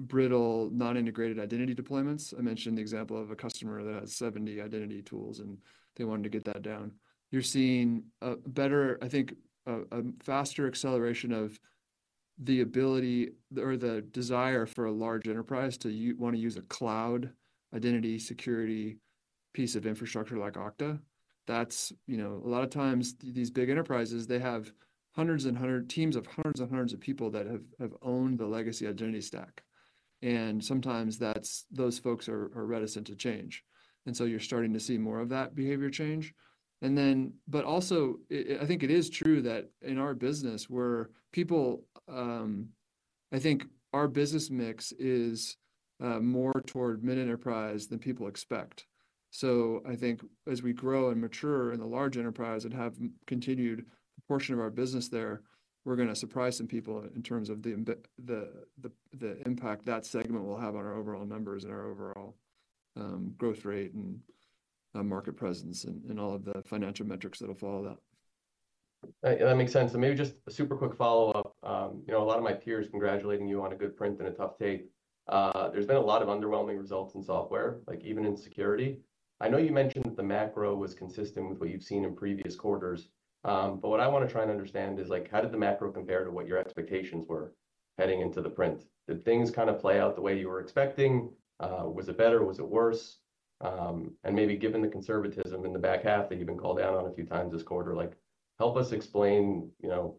brittle, non-integrated identity deployments. I mentioned the example of a customer that had 70 identity tools, and they wanted to get that down. You're seeing a better, I think, a faster acceleration of the ability or the desire for a large enterprise to want to use a cloud identity security piece of infrastructure like Okta. That's, you know, a lot of times, these big enterprises, they have hundreds and hundreds of teams of hundreds and hundreds of people that have owned the legacy identity stack, and sometimes that's those folks are reticent to change, and so you're starting to see more of that behavior change. But also, I think it is true that in our business, where people, I think our business mix is more toward mid-enterprise than people expect. So I think as we grow and mature in the large enterprise and have continued a portion of our business there, we're gonna surprise some people in terms of the impact that segment will have on our overall numbers and our overall, growth rate and, market presence, and all of the financial metrics that'll follow that. That makes sense. So maybe just a super quick follow-up. You know, a lot of my peers congratulating you on a good print and a tough take. There's been a lot of underwhelming results in software, like even in security. I know you mentioned that the macro was consistent with what you've seen in previous quarters, but what I want to try and understand is like, how did the macro compare to what your expectations were heading into the print? Did things kind of play out the way you were expecting? Was it better, was it worse? And maybe given the conservatism in the back half that you've been called out on a few times this quarter, like, help us explain, you know,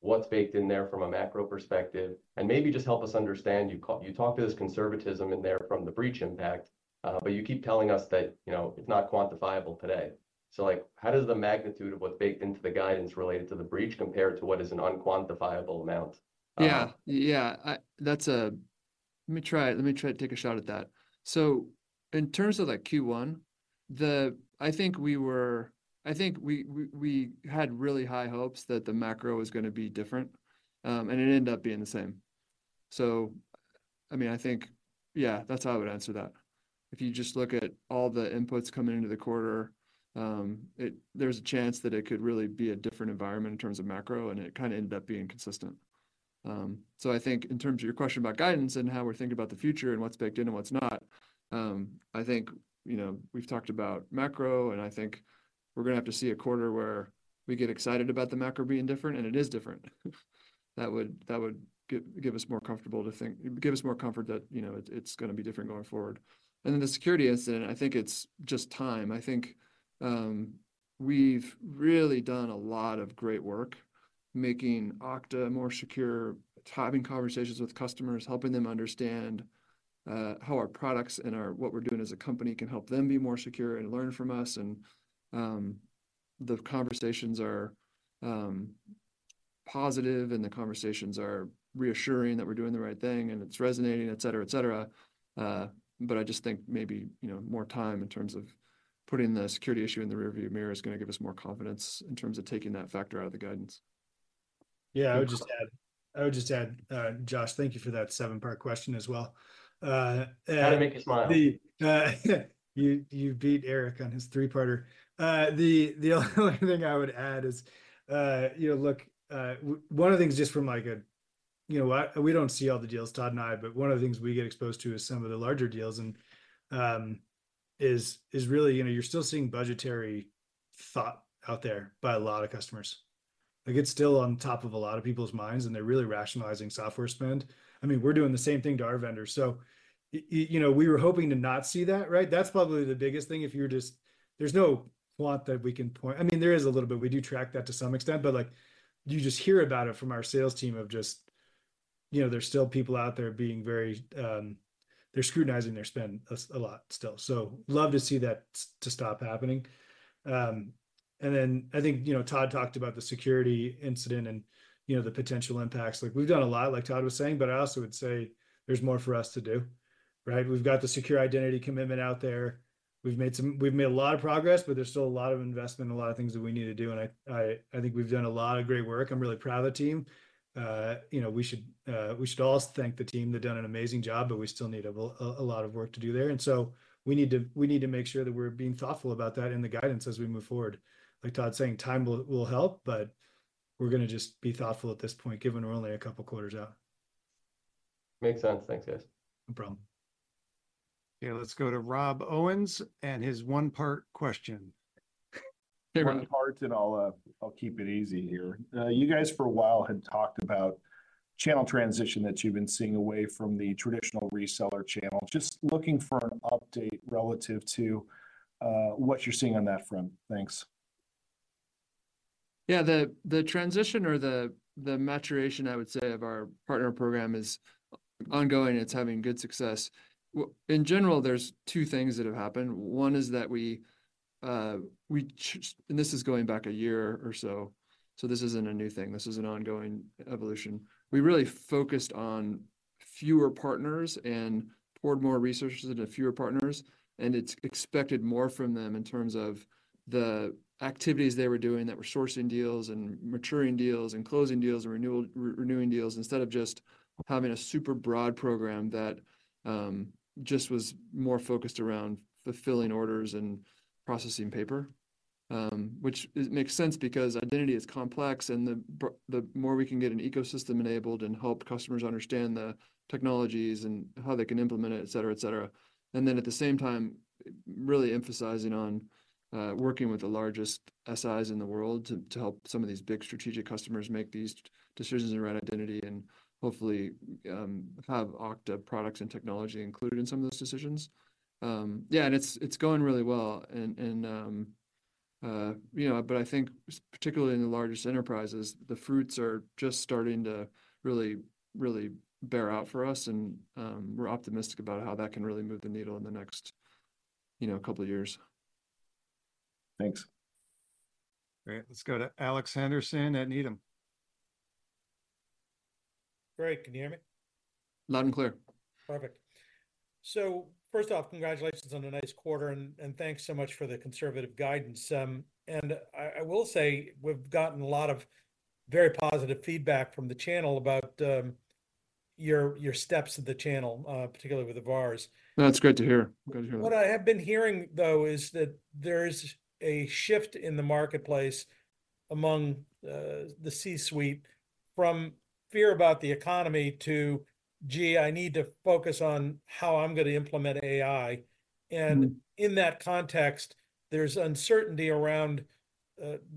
what's baked in there from a macro perspective, and maybe just help us understand. You talked to this conservatism in there from the breach impact, but you keep telling us that, you know, it's not quantifiable today. So, like, how does the magnitude of what's baked into the guidance related to the breach compare to what is an unquantifiable amount? Yeah, yeah. I, that's a... Let me try, let me try to take a shot at that. So in terms of, like, Q1, the—I think we had really high hopes that the macro was gonna be different, and it ended up being the same. So I mean, I think, yeah, that's how I would answer that. If you just look at all the inputs coming into the quarter, it—there's a chance that it could really be a different environment in terms of macro, and it kind of ended up being consistent. So I think in terms of your question about guidance and how we're thinking about the future and what's baked in and what's not, I think, you know, we've talked about macro, and I think we're gonna have to see a quarter where we get excited about the macro being different, and it is different. That would give us more comfort that, you know, it, it's gonna be different going forward. And then the security incident, I think it's just time. I think, we've really done a lot of great work making Okta more secure, having conversations with customers, helping them understand how our products and our, what we're doing as a company can help them be more secure and learn from us. The conversations are positive, and the conversations are reassuring that we're doing the right thing, and it's resonating, et cetera, et cetera. But I just think maybe, you know, more time in terms of putting the security issue in the rearview mirror is gonna give us more confidence in terms of taking that factor out of the guidance. Yeah, I would just add, I would just add, Josh, thank you for that seven-part question as well. And- Had to make you smile. You beat Eric on his three-parter. The only thing I would add is, you know, look, one of the things just from like a... You know what? We don't see all the deals, Todd and I, but one of the things we get exposed to is some of the larger deals, and is really, you know, you're still seeing budgetary thought out there by a lot of customers. Like, it's still on top of a lot of people's minds, and they're really rationalizing software spend. I mean, we're doing the same thing to our vendors. So, you know, we were hoping to not see that, right? That's probably the biggest thing. If you're just - there's no quant that we can point... I mean, there is a little bit. We do track that to some extent, but like, you just hear about it from our sales team of just, you know, there's still people out there being very... They're scrutinizing their spend a lot still. So love to see that stop happening. And then, I think, you know, Todd talked about the security incident and, you know, the potential impacts. Like, we've done a lot, like Todd was saying, but I also would say there's more for us to do, right? We've got the Secure Identity Commitment out there. We've made a lot of progress, but there's still a lot of investment and a lot of things that we need to do, and I think we've done a lot of great work. I'm really proud of the team. You know, we should all thank the team. They've done an amazing job, but we still need a lot of work to do there, and so we need to make sure that we're being thoughtful about that in the guidance as we move forward. Like Todd saying, time will help, but we're gonna just be thoughtful at this point, given we're only a couple quarters out. Makes sense. Thanks, guys. No problem. Okay, let's go to Rob Owens and his one-part question. Hey, Rob. One part, and I'll keep it easy here. You guys, for a while, had talked about channel transition that you've been seeing away from the traditional reseller channel. Just looking for an update relative to what you're seeing on that front. Thanks. Yeah, the transition or the maturation, I would say, of our partner program is ongoing. It's having good success. In general, there's two things that have happened. One is that we – and this is going back a year or so, so this isn't a new thing. This is an ongoing evolution. We really focused on fewer partners and poured more resources into fewer partners, and it's expected more from them in terms of the activities they were doing that were sourcing deals and maturing deals and closing deals and renewing deals, instead of just having a super broad program that just was more focused around fulfilling orders and processing paper. Which it makes sense because identity is complex, and the more we can get an ecosystem enabled and help customers understand the technologies and how they can implement it, et cetera, et cetera. And then, at the same time, really emphasizing on working with the largest SIs in the world to help some of these big strategic customers make these decisions around identity and hopefully have Okta products and technology included in some of those decisions. Yeah, and it's, it's going really well. And, and, you know, but I think particularly in the largest enterprises, the fruits are just starting to really, really bear out for us, and we're optimistic about how that can really move the needle in the next, you know, couple of years. Thanks. Great. Let's go to Alex Henderson at Needham. Great, can you hear me? Loud and clear. Perfect. So first off, congratulations on a nice quarter, and thanks so much for the conservative guidance. And I will say, we've gotten a lot of very positive feedback from the channel about your steps to the channel, particularly with the VARs. That's good to hear. Good to hear. What I have been hearing, though, is that there's a shift in the marketplace among the C-suite from fear about the economy to, "Gee, I need to focus on how I'm gonna implement AI. Mm-hmm. And in that context, there's uncertainty around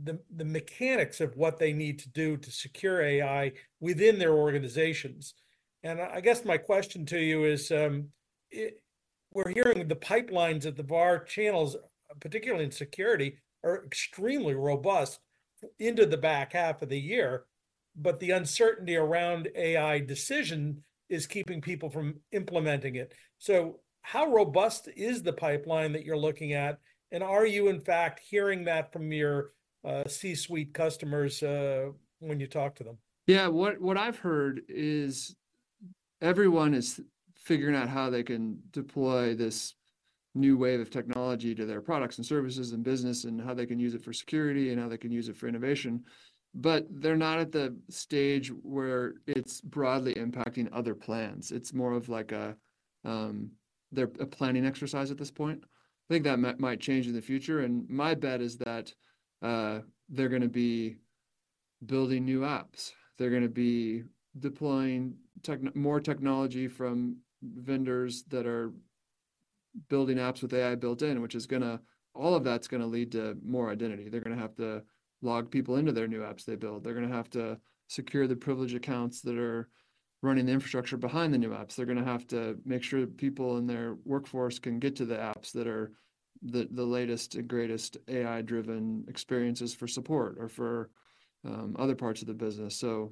the mechanics of what they need to do to secure AI within their organizations. And I guess my question to you is, we're hearing the pipelines at the VAR channels, particularly in security, are extremely robust into the back half of the year, but the uncertainty around AI decision is keeping people from implementing it. So how robust is the pipeline that you're looking at? And are you, in fact, hearing that from your C-suite customers when you talk to them? Yeah, what I've heard is everyone is figuring out how they can deploy this new wave of technology to their products and services and business, and how they can use it for security and how they can use it for innovation, but they're not at the stage where it's broadly impacting other plans. It's more of like a planning exercise at this point. I think that might change in the future, and my bet is that they're gonna be building new apps. They're gonna be deploying more technology from vendors that are building apps with AI built in, which is gonna all of that's gonna lead to more identity. They're gonna have to log people into their new apps they build. They're gonna have to secure the privileged accounts that are running the infrastructure behind the new apps. They're gonna have to make sure people in their workforce can get to the apps that are the latest and greatest AI-driven experiences for support or for other parts of the business. So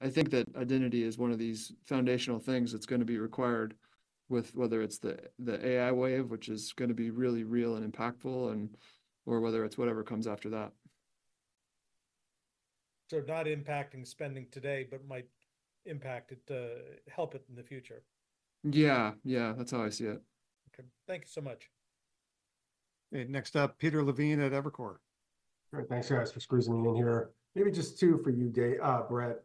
I think that identity is one of these foundational things that's gonna be required with whether it's the AI wave, which is gonna be really real and impactful, or whether it's whatever comes after that. So not impacting spending today, but might impact it, help it in the future? Yeah, yeah, that's how I see it. Okay. Thank you so much. Okay, next up, Peter Levine at Evercore. Great. Thanks, guys, for squeezing me in here. Maybe just two for you, Dave, Brett.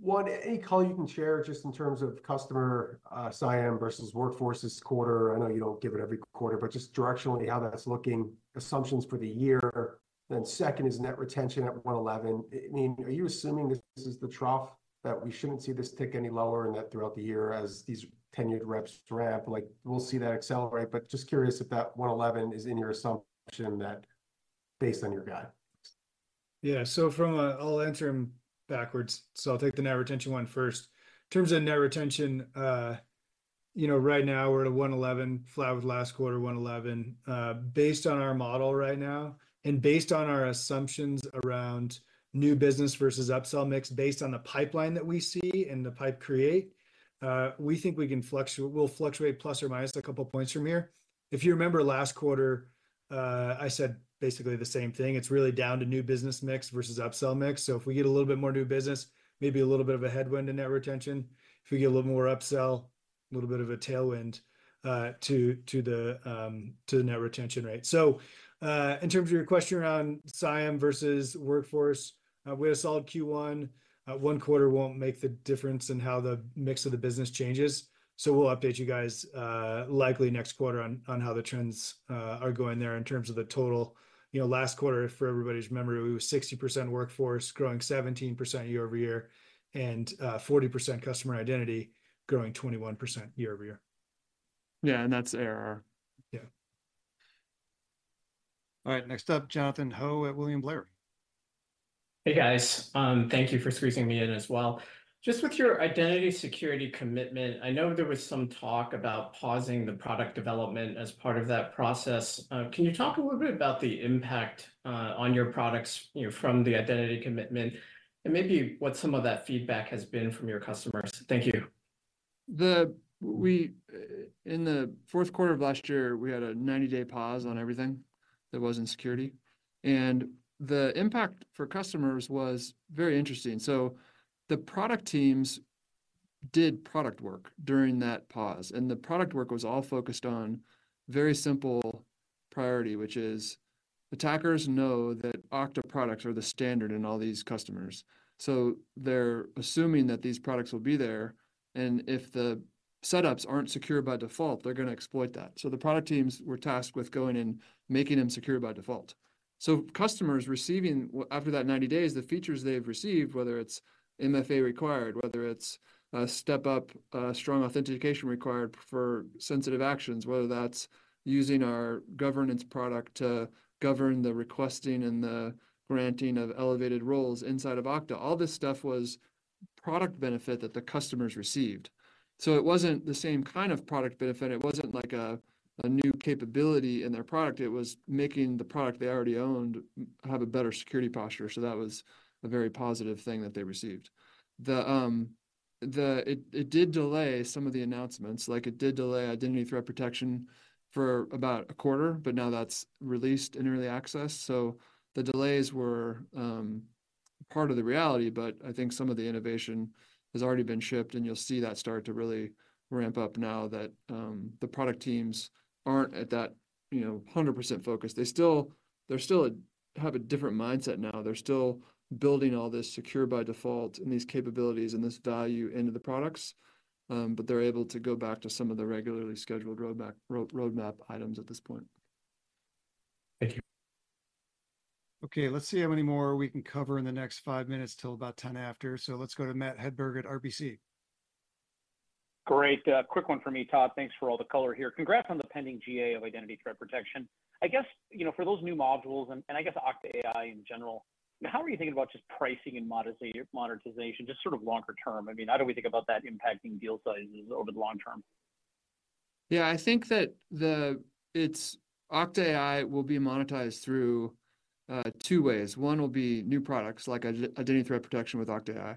One, any call you can share just in terms of customer CIAM versus Workforce this quarter? I know you don't give it every quarter, but just directionally, how that's looking, assumptions for the year. Then second is net retention at 111. I mean, are you assuming this is the trough, that we shouldn't see this tick any lower, and that throughout the year, as these tenured reps ramp, like we'll see that accelerate? But just curious if that 111 is in your assumption that based on your guide. Yeah. So from a, I'll answer them backwards, so I'll take the net retention one first. In terms of net retention, you know, right now we're at 111, flat with last quarter 111. Based on our model right now and based on our assumptions around new business versus upsell mix, based on the pipeline that we see and the pipe create, we think we'll fluctuate plus or minus a couple of points from here. If you remember, last quarter, I said basically the same thing. It's really down to new business mix versus upsell mix. So if we get a little bit more new business, maybe a little bit of a headwind in net retention. If we get a little more upsell, a little bit of a tailwind to the net retention rate. In terms of your question around CIAM versus Workforce, we had a solid Q1. One quarter won't make the difference in how the mix of the business changes, so we'll update you guys, likely next quarter on how the trends are going there in terms of the total. You know, last quarter, for everybody's memory, we were 60% Workforce, growing 17% year-over-year, and 40% Customer Identity, growing 21% year-over-year. Yeah, and that's AR. Yeah. All right, next up, Jonathan Ho at William Blair. Hey, guys. Thank you for squeezing me in as well. Just with your Secure Identity Commitment, I know there was some talk about pausing the product development as part of that process. Can you talk a little bit about the impact on your products, you know, from the Secure Identity Commitment, and maybe what some of that feedback has been from your customers? Thank you. We in the fourth quarter of last year had a 90-day pause on everything. There wasn't security, and the impact for customers was very interesting. So the product teams did product work during that pause, and the product work was all focused on very simple priority, which is attackers know that Okta products are the standard in all these customers. So they're assuming that these products will be there, and if the setups aren't secure by default, they're gonna exploit that. So the product teams were tasked with going and making them secure by default. So customers receiving after that 90 days, the features they've received, whether it's MFA required, whether it's a step up, strong authentication required for sensitive actions, whether that's using our governance product to govern the requesting and the granting of elevated roles inside of Okta, all this stuff was product benefit that the customers received. So it wasn't the same kind of product benefit. It wasn't like a new capability in their product. It was making the product they already owned have a better security posture, so that was a very positive thing that they received. The. It did delay some of the announcements, like it did delay Identity Threat Protection for about a quarter, but now that's released in early access, so the delays were part of the reality. But I think some of the innovation has already been shipped, and you'll see that start to really ramp up now that the product teams aren't at that, you know, 100% focus. They still have a different mindset now. They're still building all this secure by default and these capabilities and this value into the products, but they're able to go back to some of the regularly scheduled roadmap items at this point. Thank you. Okay, let's see how many more we can cover in the next five minutes till about 10 after. So let's go to Matt Hedberg at RBC. Great. Quick one for me, Todd. Thanks for all the color here. Congrats on the pending GA of Identity Threat Protection. I guess, you know, for those new modules, and I guess Okta AI in general, how are you thinking about just pricing and monetization, just sort of longer term? I mean, how do we think about that impacting deal sizes over the long term? Yeah, I think that it's Okta AI will be monetized through two ways. One will be new products, like Identity Threat Protection with Okta AI.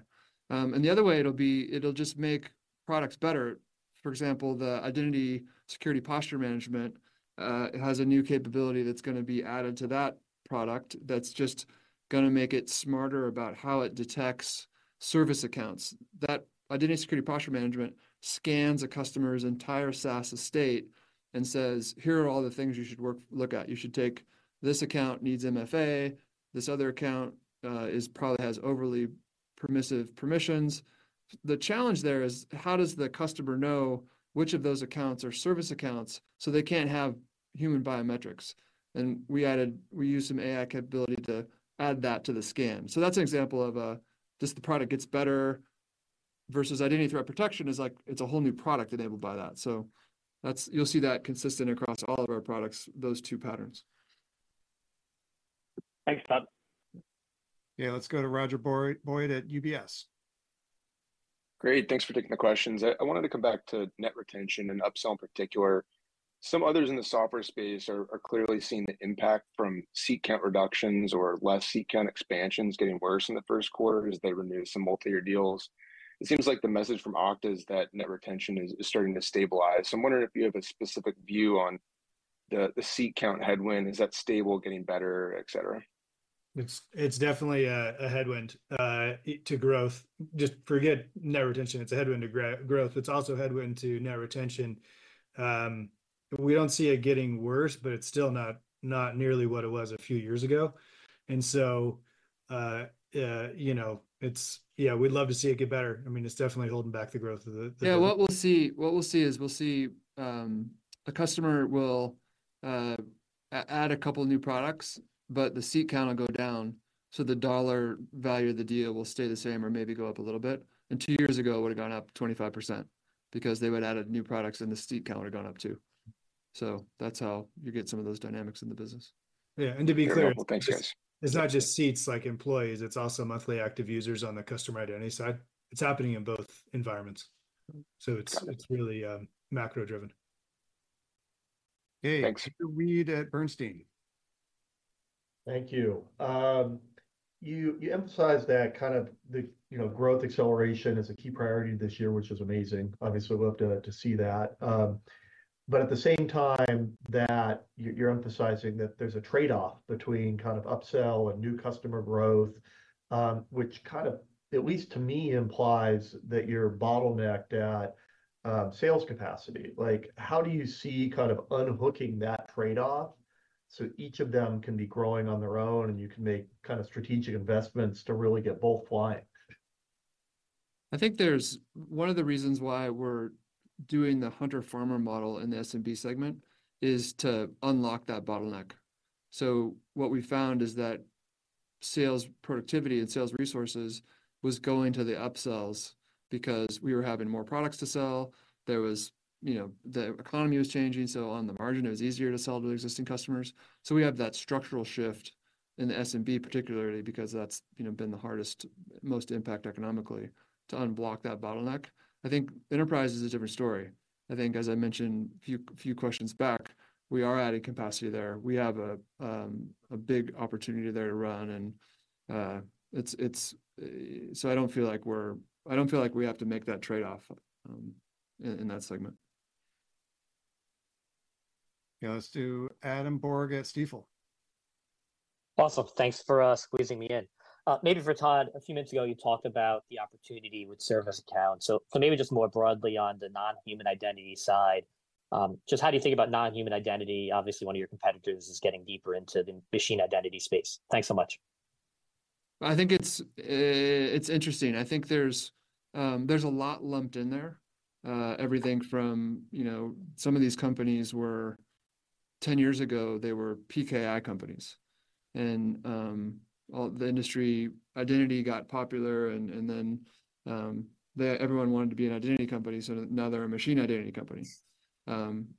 And the other way, it'll just make products better. For example, the Identity Security Posture Management has a new capability that's gonna be added to that product that's just gonna make it smarter about how it detects service accounts. That Identity Security Posture Management scans a customer's entire SaaS estate and says, "Here are all the things you should look at. You should take... This account needs MFA, this other account probably has overly permissive permissions." The challenge there is: How does the customer know which of those accounts are service accounts, so they can't have human biometrics? And we used some AI capability to add that to the scan. That's an example of just the product gets better, versus Identity Threat Protection is like, it's a whole new product enabled by that. You'll see that consistent across all of our products, those two patterns. Thanks, Todd. Yeah, let's go to Roger Boyd at UBS. Great, thanks for taking the questions. I wanted to come back to net retention and upsell in particular. Some others in the software space are clearly seeing the impact from seat count reductions or less seat count expansions getting worse in the first quarter as they renew some multi-year deals. It seems like the message from Okta is that net retention is starting to stabilize. So I'm wondering if you have a specific view on the seat count headwind. Is that stable, getting better, et cetera? It's definitely a headwind to growth. Just forget net retention, it's a headwind to growth. It's also a headwind to net retention. We don't see it getting worse, but it's still not nearly what it was a few years ago. And so, you know, it's... Yeah, we'd love to see it get better. I mean, it's definitely holding back the growth of the, the- Yeah, what we'll see is, we'll see, a customer will add a couple new products, but the seat count will go down, so the dollar value of the deal will stay the same or maybe go up a little bit. Two years ago, it would've gone up 25%, because they would've added new products, and the seat count have gone up too. That's how you get some of those dynamics in the business. Yeah, and to be clear- Thanks, guys... it's not just seats, like employees, it's also monthly active users on the Customer Identity side. It's happening in both environments. So it's- Got it... it's really, macro-driven. Thanks. Hey, Weed at Bernstein. Thank you. You emphasized that kind of the, you know, growth acceleration is a key priority this year, which is amazing. Obviously, we'd love to see that. But at the same time, that you're emphasizing that there's a trade-off between kind of upsell and new customer growth, which kind of, at least to me, implies that you're bottlenecked at sales capacity. Like, how do you see kind of unhooking that trade-off so each of them can be growing on their own, and you can make kind of strategic investments to really get both flying? I think there's one of the reasons why we're doing the hunter/farmer model in the SMB segment is to unlock that bottleneck. So what we found is that sales productivity and sales resources was going to the upsells because we were having more products to sell. There was you know, the economy was changing, so on the margin, it was easier to sell to the existing customers. So we have that structural shift in the SMB, particularly because that's, you know, been the hardest, most impact economically, to unblock that bottleneck. I think enterprise is a different story. I think, as I mentioned a few, a few questions back, we are adding capacity there. We have a, a big opportunity there to run, and, it's, it's- so I don't feel like we're- I don't feel like we have to make that trade-off.... in that segment. Yeah, let's do Adam Borg at Stifel. Awesome. Thanks for squeezing me in. Maybe for Todd, a few minutes ago, you talked about the opportunity with service accounts. So, maybe just more broadly on the non-human identity side, just how do you think about non-human identity? Obviously, one of your competitors is getting deeper into the machine identity space. Thanks so much. I think it's interesting. I think there's a lot lumped in there. Everything from, you know, some of these companies were ten years ago, they were PKI companies, and all the industry identity got popular, and then everyone wanted to be an identity company, so now they're a machine identity company.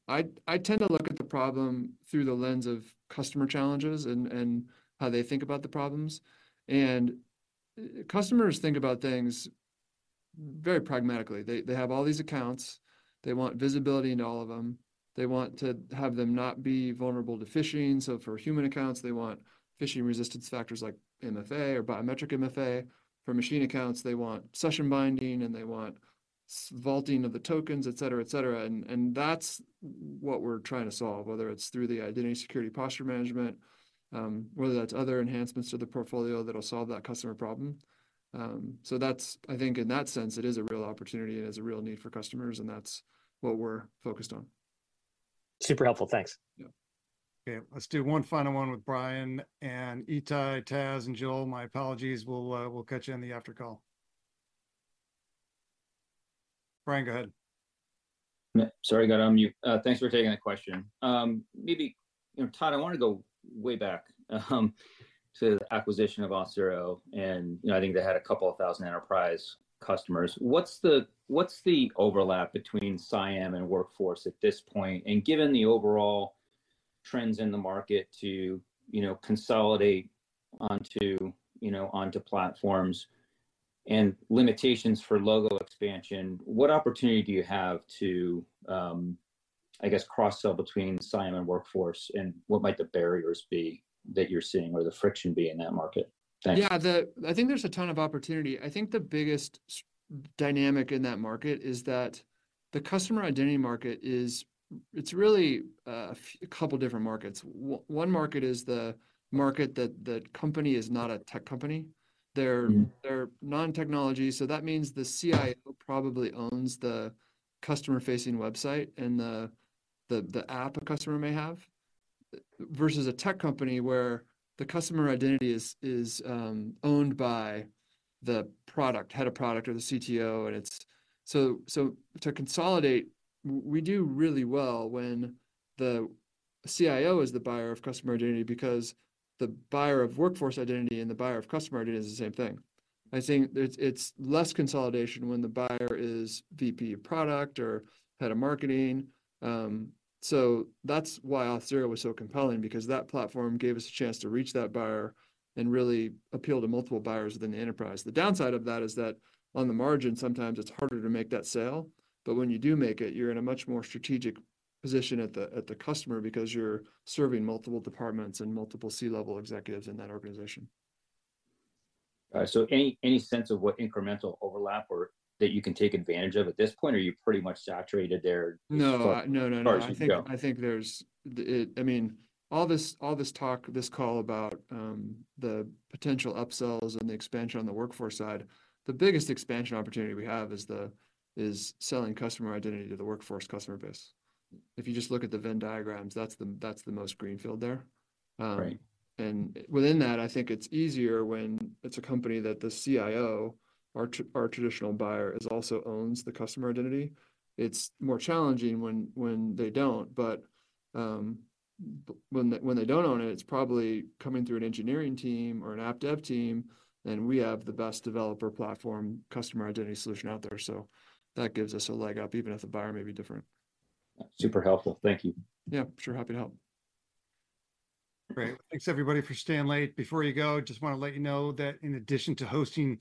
I tend to look at the problem through the lens of customer challenges and how they think about the problems, and customers think about things very pragmatically. They have all these accounts. They want visibility into all of them. They want to have them not be vulnerable to phishing, so for human accounts, they want phishing resistance factors like MFA or biometric MFA. For machine accounts, they want session binding, and they want vaulting of the tokens, et cetera, et cetera, and, and that's what we're trying to solve, whether it's through the Identity Security Posture Management, whether that's other enhancements to the portfolio that'll solve that customer problem. So that's, I think in that sense, it is a real opportunity and is a real need for customers, and that's what we're focused on. Super helpful. Thanks. Yeah. Okay, let's do one final one with Brian, and Itay, Taz, and Joel. My apologies. We'll catch you on the after call. Brian, go ahead. Yeah. Sorry, got on mute. Thanks for taking the question. Maybe, you know, Todd, I want to go way back to the acquisition of Auth0, and, you know, I think they had a couple of thousand enterprise customers. What's the overlap between CIAM and Workforce at this point? And given the overall trends in the market to, you know, consolidate onto platforms and limitations for logo expansion, what opportunity do you have to, I guess, cross-sell between CIAM and Workforce, and what might the barriers be that you're seeing or the friction be in that market? Thanks. Yeah, I think there's a ton of opportunity. I think the biggest dynamic in that market is that the Customer Identity market is, it's really a couple different markets. One market is the market that the company is not a tech company. Mm. They're non-technology, so that means the CIO probably owns the customer-facing website and the app a customer may have, versus a tech company, where the Customer Identity is owned by the product, head of product or the CTO, and it's... So to consolidate, we do really well when the CIO is the buyer of Customer Identity because the buyer of Workforce Identity and the buyer of Customer Identity is the same thing. I think it's less consolidation when the buyer is VP of Product or head of marketing. So that's why Auth0 was so compelling because that platform gave us a chance to reach that buyer and really appeal to multiple buyers within the enterprise. The downside of that is that, on the margin, sometimes it's harder to make that sale, but when you do make it, you're in a much more strategic position at the, at the customer because you're serving multiple departments and multiple C-level executives in that organization. So, any sense of what incremental overlap or that you can take advantage of at this point, or are you pretty much saturated there? No- as far as you can go? No, no, no. I think, I think there's I mean, all this, all this talk, this call about the potential upsells and the expansion on the Workforce side, the biggest expansion opportunity we have is selling Customer Identity to the Workforce customer base. If you just look at the Venn diagrams, that's the, that's the most greenfield there. Right. Within that, I think it's easier when it's a company that the CIO, our traditional buyer, also owns the Customer Identity. It's more challenging when they don't, but when they don't own it, it's probably coming through an engineering team or an app dev team, and we have the best developer platform Customer Identity solution out there. So that gives us a leg up, even if the buyer may be different. Super helpful. Thank you. Yeah, sure. Happy to help. Great. Thanks, everybody, for staying late. Before you go, just want to let you know that in addition to hosting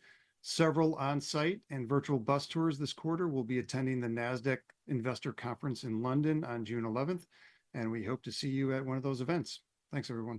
several on-site and virtual bus tours this quarter, we'll be attending the Nasdaq Investor Conference in London on June 11th, and we hope to see you at one of those events. Thanks, everyone.